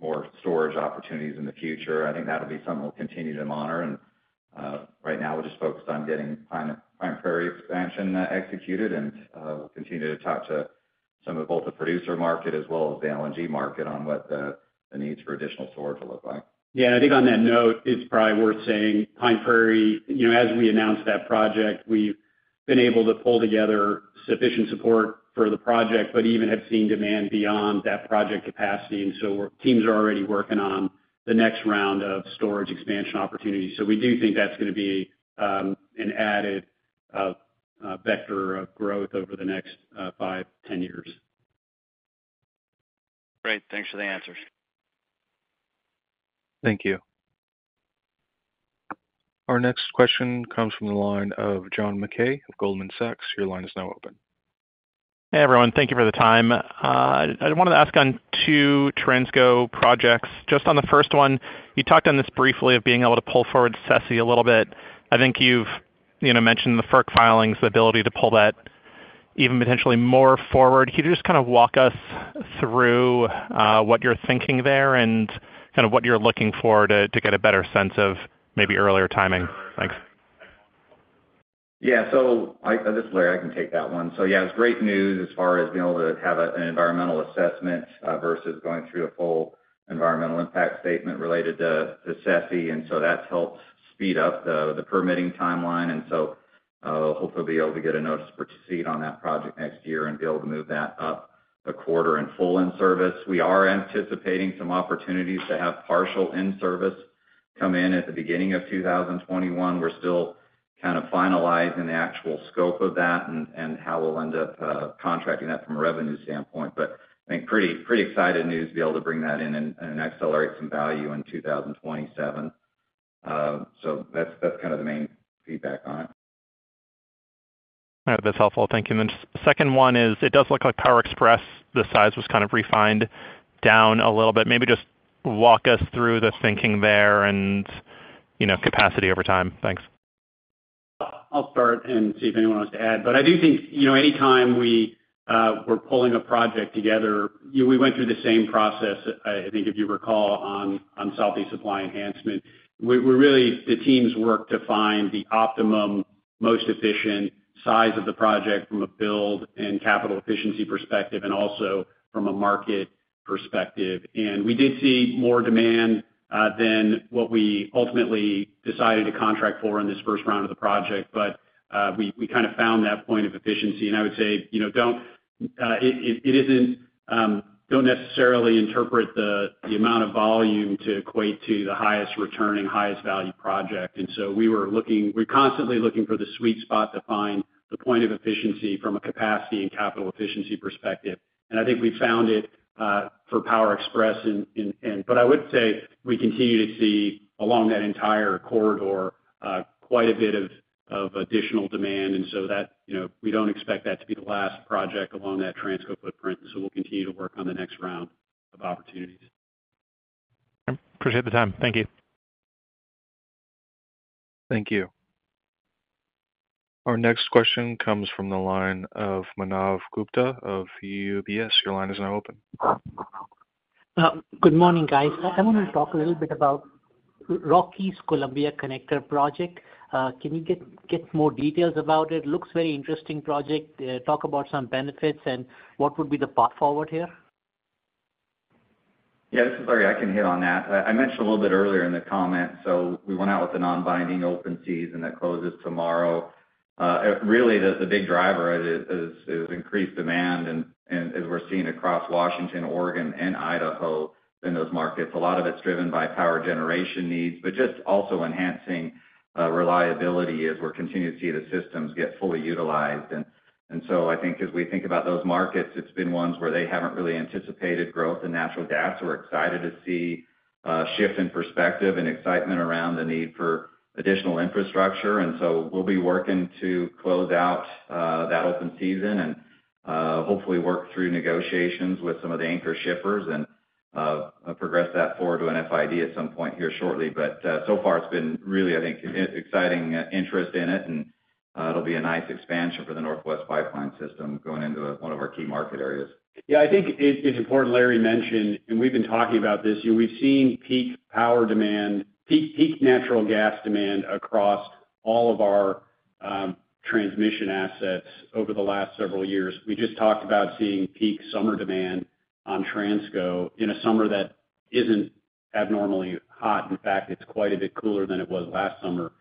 [SPEAKER 7] more storage opportunities in the future. I think that'll be something we'll continue to monitor. Right now we're just focused on getting Pine Prairie expansion executed, and we'll continue to talk to some of both the producer market as well as the LNG market on what the needs for additional storage will look like.
[SPEAKER 3] Yeah, I think on that note, it's probably worth saying Pine Prairie, as we announced that project, we've been able to pull together sufficient support for the project, but even have seen demand beyond that project capacity. Teams are already working on the next round of storage expansion opportunities. We do think that's going to be an added vector of growth over the next 5-10 years.
[SPEAKER 11] Great. Thanks for the answer.
[SPEAKER 1] Thank you. Our next question comes from the line of John MacKay of Goldman Sachs. Your line is now open.
[SPEAKER 12] Hey, everyone. Thank you for the time. I wanted to ask on two Transco projects. Just on the first one, you talked on this briefly, of being able to pull forward SSE a little bit. I think you've mentioned the FERC filings, the ability to pull that even potentially more forward. Could you just kind of walk us through what you're thinking there and what you're looking for to get a better sense of maybe earlier timing? Thanks.
[SPEAKER 7] Yeah, this is Larry, I can take that one. Yeah, it's great news as far as being able to have an environmental assessment versus going through a full environmental impact statement related to SSE. That's helped speed up the permitting timeline and hopefully be able to get enough seed on that project next year and move that up a quarter in full in service. We are anticipating some opportunities to have partial in service come in at the beginning of 2021. We're still kind of finalizing the actual scope of that and how we'll end up contracting that from a revenue standpoint, but I think pretty exciting news to be able to bring that in and accelerate some value in 2027. That's kind of the main feedback on it.
[SPEAKER 12] That's helpful. Thank you. The second one is it does look like Power Express, the size was kind of refined down a little bit. Maybe just walk us through the thinking there and capacity over time. Thanks.
[SPEAKER 3] I'll start and see if anyone wants to add. I do think anytime we're pulling a project together, we went through the same process. I think if you recall on Southeast Supply Enhancement, the teams work to find the optimum, most efficient size of the project from a build and capital efficiency perspective and also from a market perspective. We did see more demand than what we ultimately decided to contract for in this first round of the project. We kind of found that point of efficiency and I would say, you know, don't necessarily interpret the amount of volume to equate to the highest return and highest value project. We were looking, we're constantly looking for the sweet spot to find the point of efficiency from a capacity and capital efficiency perspective. I think we found it for Power Express. I would say we continue to see along that entire corridor quite a bit of additional demand. That, you know, we don't expect that to be the last project along that Transco footprint. We'll continue to work on the next round of opportunities.
[SPEAKER 12] Appreciate the time. Thank you.
[SPEAKER 1] Thank you. Our next question comes from the line of Manav Gupta of UBS. Your line is now open.
[SPEAKER 13] Good morning, guys. I want to talk a little bit about Rockies Columbia Connector project. Can you get more details about it? Looks like a very interesting project. Talk about some benefits and what would be the path forward here.
[SPEAKER 7] Yeah, this is Larry, I can hit on that. I mentioned a little bit earlier in the comment. We went out with the non-binding open season that closes tomorrow. The big driver is increased demand, and as we're seeing across Washington, Oregon, and Idaho in those markets, a lot of it's driven by power generation needs, but also enhancing reliability as we're continuing to see the systems get fully utilized. I think as we think about those markets, it's been ones where they haven't really anticipated growth in natural gas. We're excited to see a shift in perspective and excitement around the need for additional infrastructure. We'll be working to close out that open season and hopefully work through negotiations with some of the anchor shippers and progress that forward to an FID at some point here shortly. So far it's been really, I think, exciting interest in it and it'll be a nice expansion for the Northwest Pipeline system going into one of our key market areas.
[SPEAKER 3] Yeah, I think it's important Larry mentioned and we've been talking about this, we've seen peak power demand, peak natural gas demand across all of our transmission assets over the last several years. We just talked about seeing peak summer demand on Transco in a summer that isn't abnormally hot. In fact, it's quite a bit cooler than it was last summer.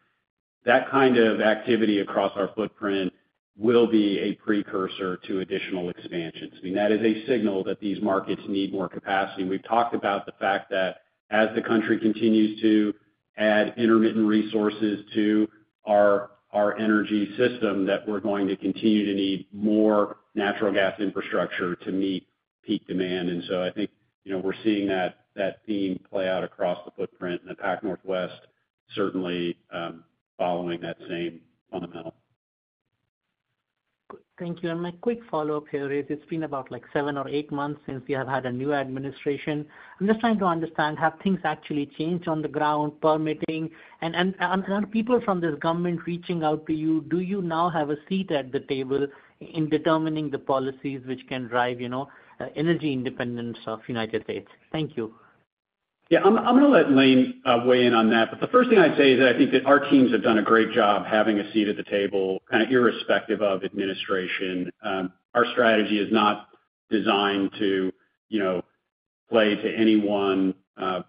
[SPEAKER 3] That kind of activity across our footprint will be a precursor to additional expansions. That is a signal that these markets need more capacity. We've talked about the fact that as the country continues to add intermittent resources to our energy system, we're going to continue to need more natural gas infrastructure to meet peak demand. I think we're seeing that theme play out across the footprint in the Pac Northwest, certainly following that same fundamental.
[SPEAKER 13] Thank you. My quick follow up here is it's been about seven or eight months since we have had a new administration. I'm just trying to understand, have things actually changed on the ground? Permitting and people from this government reaching out to you, do you now have a seat at the table in determining the policies which can drive energy independence of the United States? Thank you.
[SPEAKER 3] Yeah, I'm going to let Lane weigh in on that. The first thing I say is that I think that our teams have done a great job having a seat at the table irrespective of administration. Our strategy is not designed to play to any one kind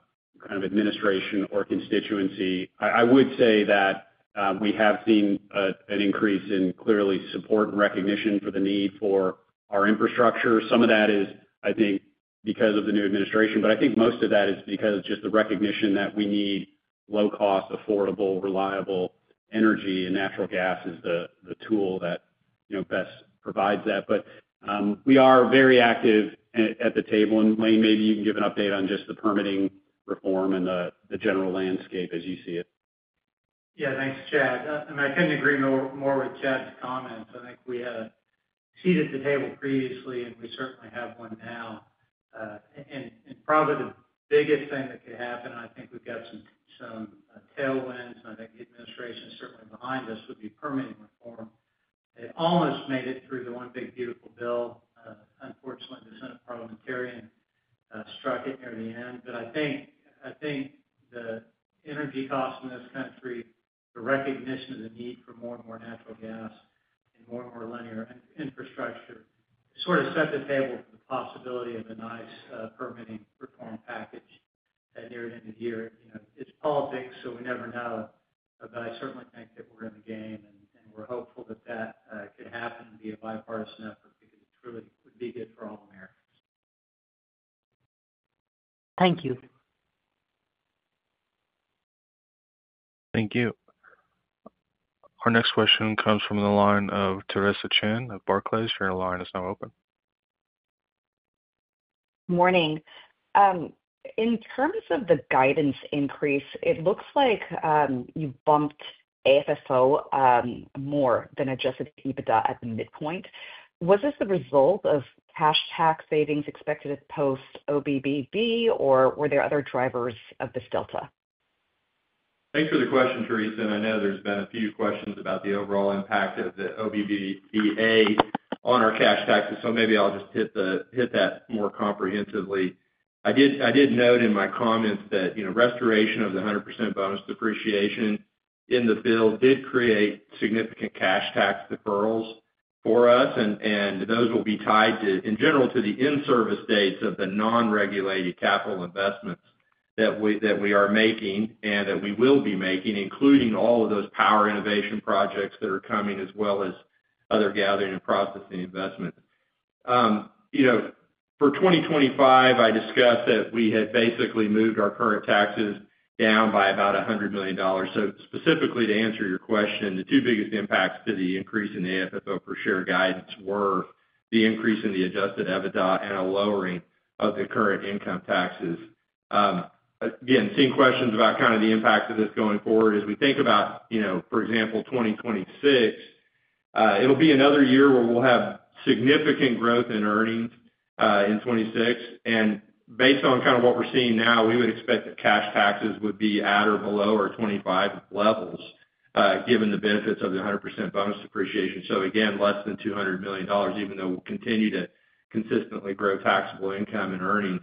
[SPEAKER 3] of administration or constituency. I would say that we have seen an increase in clearly support and recognition for the need for our infrastructure. Some of that is, I think, because of the new administration, but I think most of that is because just the recognition that we need low cost, affordable, reliable energy and natural gas is the tool that best provides that. We are very active at the table. Lane, maybe you can give an update on just the permitting reform and the general landscape as you see it.
[SPEAKER 14] Yeah, thanks, Chad. I couldn't agree more with Chad's comments. I think we had a seat at the table previously and we certainly have one now. Probably the biggest thing that could happen, I think we've got some tailwinds and I think the administration certainly behind us would be permitting reform. It almost made it through the one big beautiful bill. Unfortunately, the Senate parliamentarian struck it near the end. I think the energy cost in this country, the recognition of the need for more and more natural gas and more and more linear infrastructure sort of set the table. The possibility of a nice permitting reform passage near the end of the year, you know, it's politics, so we never know. I certainly think that we're in the game and we're hopeful that that could happen, be a bipartisan effort because it really would be good for all Americans.
[SPEAKER 13] Thank you.
[SPEAKER 1] Thank you. Our next question comes from the line of Theresa Chen of Barclays, your line is now open.
[SPEAKER 15] Morning. In terms of the guidance increase, it looks like you bumped AFFO more than adjusted EBITDA at the midpoint. Was this the result of cash tax savings expected post OBBB, or were there other drivers of this delta?
[SPEAKER 4] Thanks for the question, Theresa. I know there's been a few questions about the overall impact of the OBBBA on our cash taxes, so maybe I'll just hit that more comprehensively. I did note in my comments that restoration of the 100% bonus depreciation in the bill did create significant cash tax deferrals for us, and those will be tied in general to the in-service dates of the non-regulated capital investments that we are making and that we will be making, including all of those power innovation projects that are coming as well as other gathering and processing investment. For 2025, I discussed that we had basically moved our current taxes down by about $100 million. Specifically to answer your question, the two biggest impacts to the increase in AFFO per share guidance were the increase in the adjusted EBITDA and a lowering of the current income taxes. Again, seeing questions about kind of the impact of this going forward as we think about, for example, 2026, it'll be another year where we'll have significant growth in earnings in 2026. Based on kind of what we're seeing now, we would expect that cash taxes would be at or below our 2025 levels given the benefits of the 100% bonus depreciation. Again, less than $200 million even though we continue to consistently grow taxable income and earnings.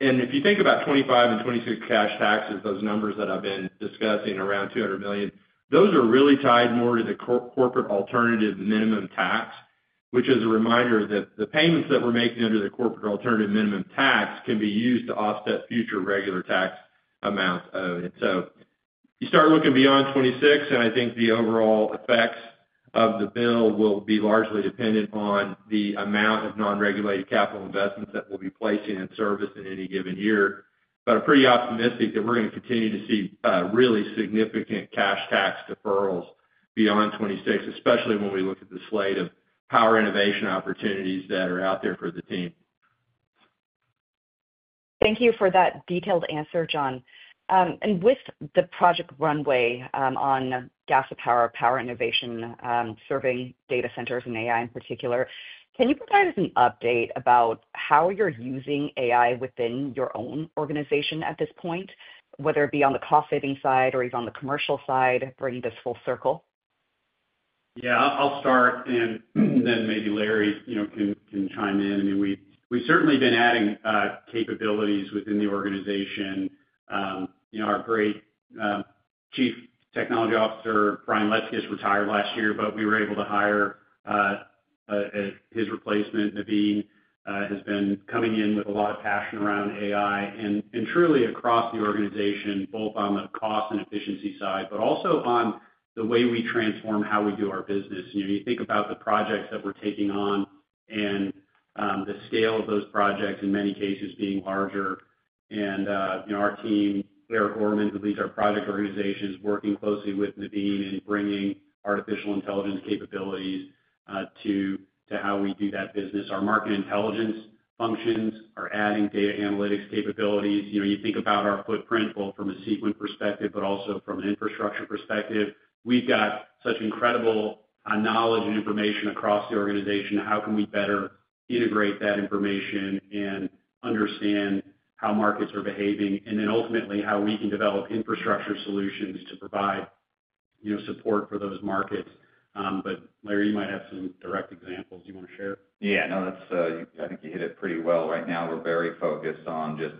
[SPEAKER 4] If you think about 2025 and 2022 cash taxes, those numbers that I've been discussing, around $200 million, those are really tied more to the corporate alternative minimum tax, which is a reminder that the payments that we're making under the corporate alternative minimum tax can be used to offset future regular tax amount owed. You start looking beyond 2026, and I think the overall effects of the bill will be largely dependent on the amount of non-regulated capital investments that we'll be placing in service at any given year, but pretty optimistic that we're going to continue to see really significant cash tax deferrals beyond 2026, especially when we look at the slate of power innovation opportunities that are out there for the team.
[SPEAKER 15] Thank you for that detailed answer, John. With the Project Runway on Gas to Power Power Innovation serving data centers and AI in particular, can you provide us an update about how you're using AI within your own organization at this point, whether it is on the cost saving side or even on the commercial side? Bring this full circle.
[SPEAKER 3] Yeah, I'll start and then maybe Larry can chime in. We've certainly been adding capabilities within the organization. Our great Chief Technology Officer, Brian Letzkus, retired last year, but we were able to hire his replacement. Naveen has been coming in with a lot of passion around AI and truly across the organization, both on the cost and efficiency side but also on the way we transform how we do our business. You think about the projects that we're taking on and the scale of those projects, in many cases being larger. Our team, Eric Ormond, who leads our product organization, is working closely with Naveen and bringing artificial intelligence capabilities to how we do that business. Our market intelligence functions are adding data analytics capabilities. You think about our footprint both from a Sequent perspective but also from an infrastructure perspective. We've got such incredible knowledge and information across the organization. How can we better integrate that information and understand how markets are behaving and then ultimately how we can develop infrastructure solutions to provide support for those markets. Larry, you might have some direct examples you want to share.
[SPEAKER 7] Yeah, no, that's, I think you hit it pretty well. Right now we're very focused on just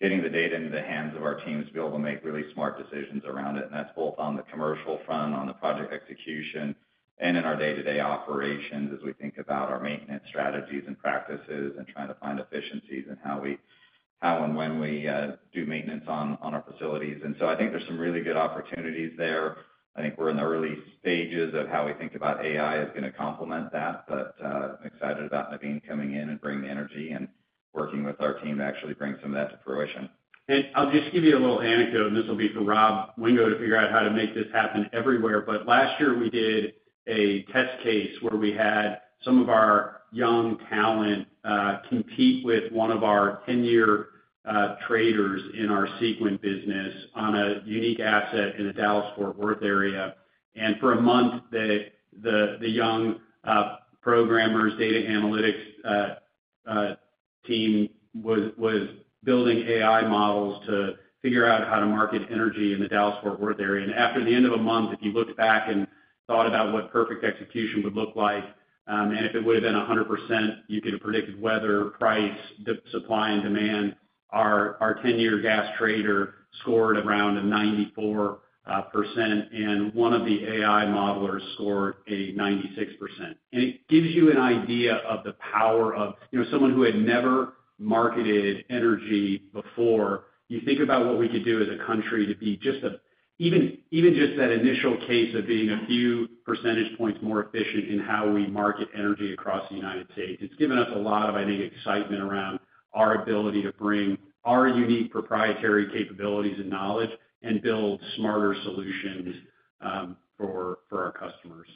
[SPEAKER 7] getting the data into the hands of our teams to be able to make really smart decisions around it. That's both on the commercial front, on the project execution and in our day-to-day operations as we think about our maintenance strategies and practices and trying to find efficiencies in how we, how and when we do maintenance on our facilities. I think there's some really good opportunities there. I think we're in the early stages of how we think about AI is going to complement that. I'm excited about coming in and bringing energy and working with our team to actually bring some of that to fruition.
[SPEAKER 3] I'll just give you a little anecdote, and this will be for Rob Wingo to figure out how to make this happen everywhere. Last year we did a test case where we had some of our young talent compete with one of our 10-year traders in our Sequent business on a unique asset in the Dallas Fort Worth area. For a month, the young programmers' data analytics team was building AI models to figure out how to market energy in the Dallas Fort Worth area. After the end of a month, if you looked back and thought about what perfect execution would look like, and if it would have been 100%, you could have predicted weather, price, supply, and demand. Our 10-year gas trader scored around 94%, and one of the AI modelers scored a 96%. It gives you an idea of the power of someone who had never marketed energy before. You think about what we could do as a country to be just, even just that initial case of being a few percentage points more efficient in how we market energy across the United States. It's given us a lot of, I think, excitement around our ability to bring our unique proprietary capabilities and knowledge and build smarter solutions for our customers.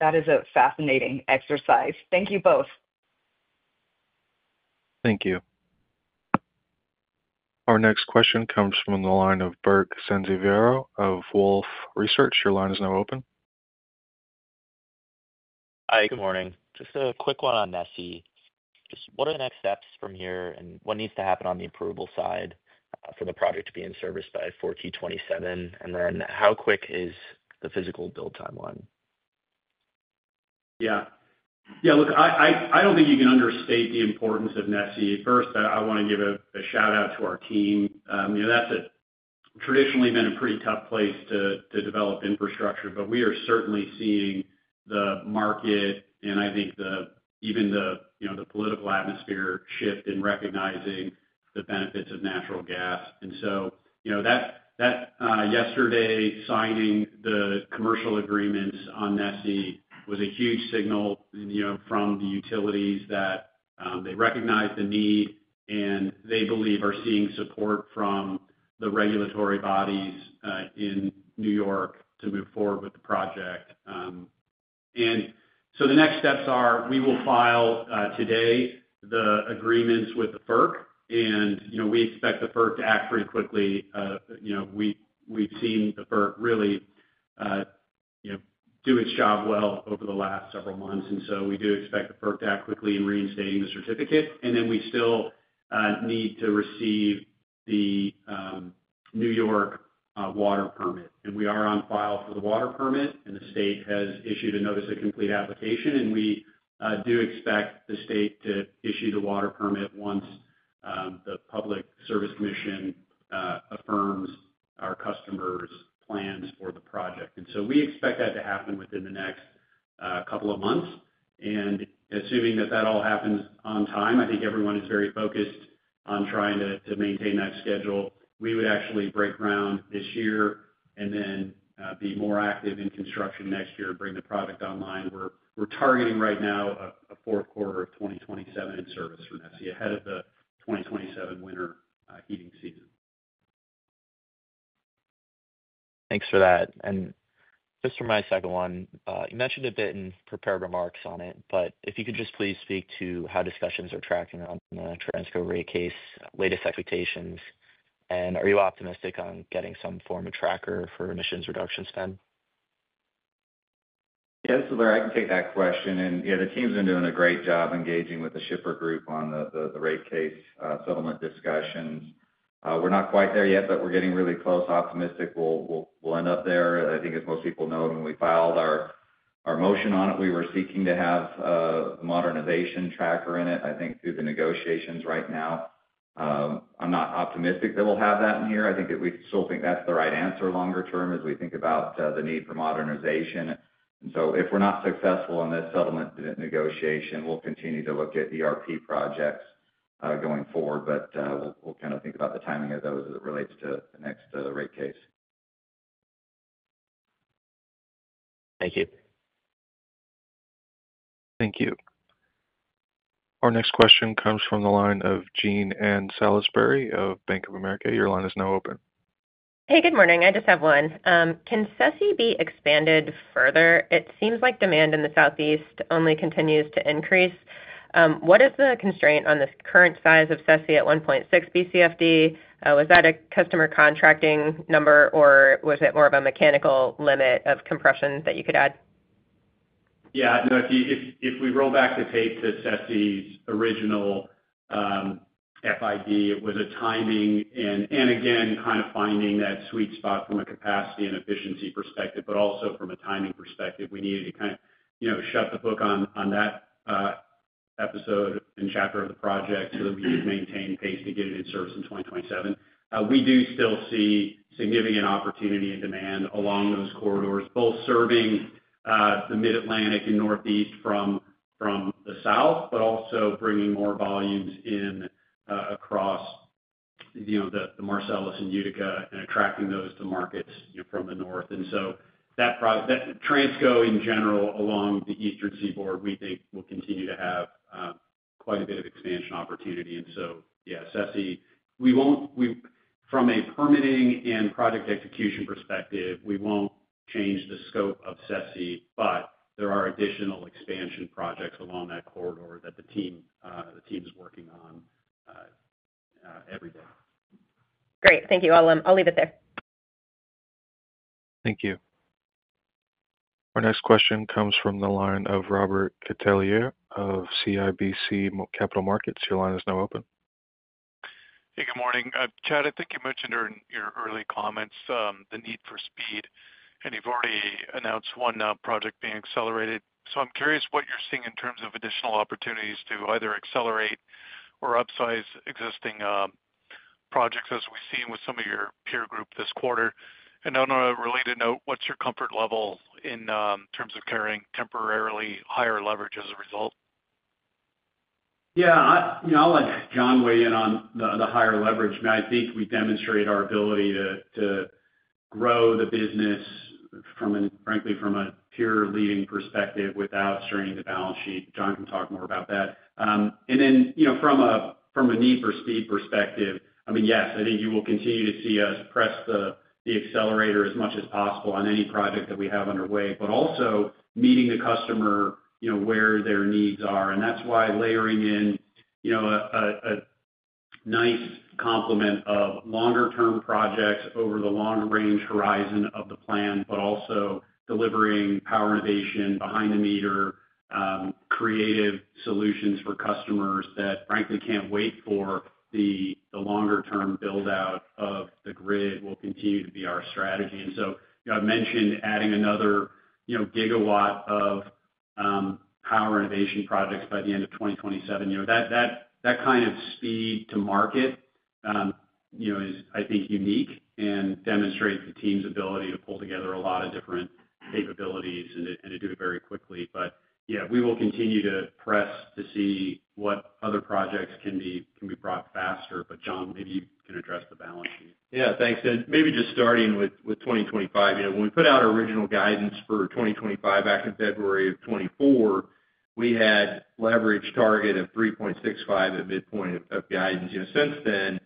[SPEAKER 15] That is a fascinating exercise. Thank you both.
[SPEAKER 1] Thank you. Our next question comes from the line of Burke Sansiviero of Wolfe Research. Your line is now open.
[SPEAKER 16] Hi, good morning. Just a quick one on NESE. What are the next steps from here and what needs to happen on the approval side for the project to be in service by 2027 and then how quick is the physical build timeline?
[SPEAKER 3] Yeah, yeah, look, I don't think you can understate the importance of NESE. First, I want to give a shout out to our team. That's traditionally been a pretty tough place to develop infrastructure, but we are certainly seeing the market and I think even the political atmosphere shift in recognizing the benefits of natural gas. That yesterday signing the commercial agreements on NESE was a huge signal from the utilities that they recognize the need and they believe are seeing support from the regulatory bodies in New York to move forward with the project. The next steps are we will file today the agreements with the FERC. We expect the FERC to act pretty quickly. We've seen the FERC really do its job well over the last several months. We do expect the FERC to act quickly in reinstating the certificate and then we still need to receive the New York water permit. We are on file for the water permit and the state has issued a notice of complete application. We do expect the state to issue the water permit once the Public Service Commission affirms our customers' plans for the project. We expect that to happen within the next couple of months. Assuming that all happens on time, I think everyone is very focused on trying to maintain that schedule. We would actually break ground this year and then be more active in construction next year. Bring the project online. We're targeting right now a fourth quarter of 2027 in service for NESE ahead of the 2027 winter heating season.
[SPEAKER 16] Thanks for that. Just for my second one, you mentioned a bit in prepared remarks on it, but if you could just please speak to how discussions are tracking on the Transco rate case, latest expectations and are you optimistic on getting some form of tracker for emissions reduction spend?
[SPEAKER 7] Yes, I can take that question. The team's been doing a great job engaging with the shipper group on the rate case settlement discussions. We're not quite there yet, but we're getting really close, optimistic we'll end up there. I think, as most people know, when we filed our motion on it, we were seeking to have a modernization tracker in it. I think through the negotiations right now, I'm not optimistic that we'll have that one here. I think that we still think that's the right answer longer term as we think about the need for modernization. If we're not successful in this settlement negotiation, we'll continue to look at ERP projects going forward, but we'll kind of think about the timing of those as it relates to the next rate case.
[SPEAKER 16] Thank you.
[SPEAKER 1] Thank you. Our next question comes from the line of Jean Ann Salisbury of Bank of America. Your line is now open.
[SPEAKER 17] Hey, good morning. I just have one. Can SSE be expanded further? It seems like demand in the Southeast only continues to increase. What is the constraint on the current size of SSE at 1.6 Bcfd? Was that a customer contracting number or was it more of a mechanical limit of compression that you could add?
[SPEAKER 3] Yeah, if we roll back the tape to SSE's original FID, it was a timing and again, kind of finding that sweet spot from a capacity and efficiency perspective, but also from a timing perspective, we needed to kind of shut the book on that episode and chapter of the project so that we could maintain pace to get it in service in 2027. We do still see significant opportunity and demand along those corridors, both serving the Mid-Atlantic and Northeast from the South, but also bringing more volumes in across the Marcellus and Utica and attracting those to markets from the North. Transco in general along the Eastern Seaboard, we think will continue to have quite a bit of expansion opportunity. SSE, we won't. From a permitting and project execution perspective, we won't change the scope of SSE, but there are additional expansion projects along that corridor that the team is working on every day.
[SPEAKER 17] Great. Thank you. I'll leave it there.
[SPEAKER 1] Thank you. Our next question comes from the line of Robert Catellier of CIBC Capital Markets. Your line is now open.
[SPEAKER 18] Good morning, Chad. I think you mentioned in your early comments the need for speed, and you've already announced one project being accelerated. I'm curious what you're seeing in terms of additional opportunities to either accelerate or upsize existing projects, as we've seen with some of your peer group this quarter. On a related note, what's your comfort level in terms of carrying temporarily higher leverage as a result?
[SPEAKER 3] Yeah, I'll let John weigh in on the higher leverage. I think we demonstrate our ability to grow the business, frankly, from a peer-leading perspective without straining the balance sheet. John can talk more about that. From a need for speed perspective, yes, I think you will continue to see us press the accelerator as much as possible on any project that we have underway, but also meeting the customer where their needs are. That's why layering in a nice complement of longer-term projects over the long-range horizon of the plan, but also delivering power innovation behind the meter, creative solutions for customers that frankly can't wait for the longer-term build out of the grid, will continue to be our strategy. I mentioned adding another gigawatt of power innovation projects by the end of 2027. That kind of speed to market is, I think, unique and demonstrates the team's ability to pull together a lot of different capabilities and to do it very quickly. We will continue to press to see what other projects can be brought faster. John, maybe you can address the balance sheet.
[SPEAKER 4] Yeah, thanks. Maybe just starting with 2025, when we put out our original guidance for 2025 back in February of 2024, we had leverage target at 3.65x at midpoint of guidance. Since then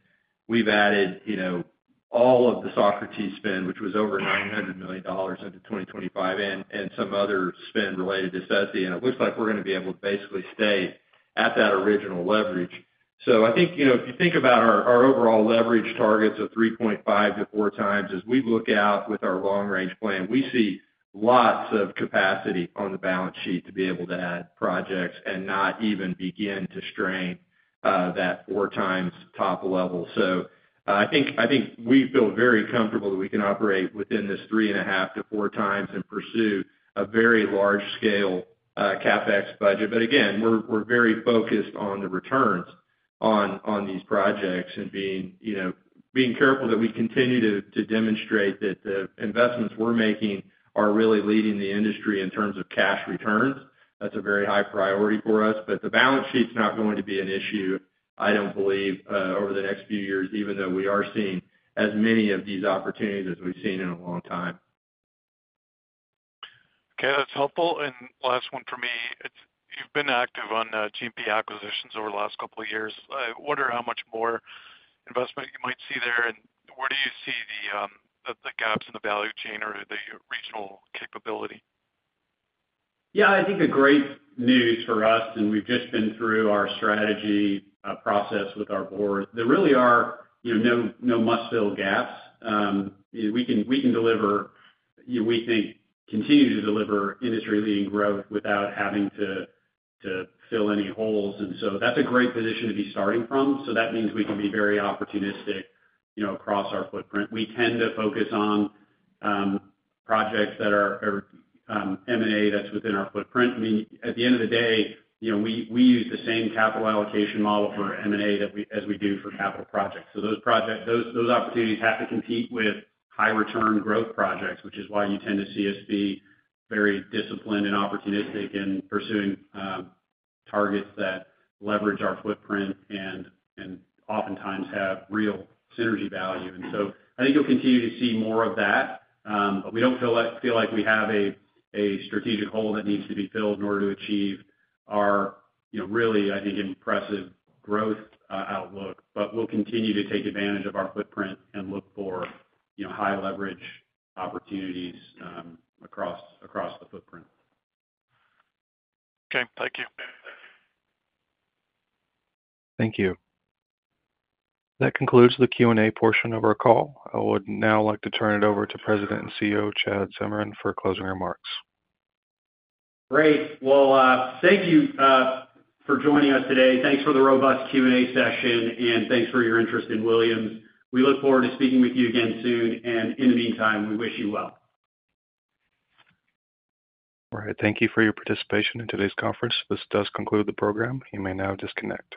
[SPEAKER 4] we've added all of the Socrates spend, which was over $900 million into 2025, and some other spend related to SSE. It looks like we're going to be able to basically stay at that original leverage. I think if you think about our overall leverage targets of 3.5x-4x, as we look out with our long range plan, we see lots of capacity on the balance sheet to be able to add projects and not even begin to strain that 4x top level. I think we feel very comfortable that we can operate within this 3.5x-4x and pursue a very large scale CapEx budget. Again, we're very focused on the returns on these projects and being careful that we continue to demonstrate that the investments we're making are really leading the industry in terms of cash returns. That's a very high priority for us. The balance sheet's not going to be an issue, I don't believe, over the next few years, even though we are seeing as many of these opportunities as we've seen in a long time.
[SPEAKER 18] Okay, that's helpful. Last one for me. You've been active on GP acquisitions over the last couple of years. I wonder how much more investment you might see there and where do you see the gaps in the value chain or the regional capability?
[SPEAKER 3] I think the great news for us, and we've just been through our strategy process with our board, there really are no must fill gaps. We can deliver, we think, continue to deliver industry leading growth without having to fill any holes. That's a great position to be starting from. That means we can be very opportunistic across our footprint. We tend to focus on projects that are M&A that's within our footprint. At the end of the day, we use the same capital allocation model for M&A as we do for capital projects. Those opportunities compete with high return growth projects, which is why you tend to see us be very disciplined and opportunistic in pursuing targets that leverage our footprint and oftentimes have real synergy value. I think you'll continue to see more of that. We don't feel like we have a strategic hole that needs to be filled in order to achieve our really, I think, impressive growth outlook. We'll continue to take advantage of our footprint and look for high leverage opportunities across the footprint.
[SPEAKER 18] Okay, thank you.
[SPEAKER 1] Thank you. That concludes the Q and A portion of our call. I would now like to turn it over to President and CEO Chad Zamarin for closing remarks.
[SPEAKER 3] Great. Thank you for joining us today. Thanks for the robust Q and A session, and thanks for your interest in Williams. We look forward to speaking with you again soon, and in the meantime, we wish you well.
[SPEAKER 1] All right, thank you for your participation in today's conference. This does conclude the program. You may now disconnect.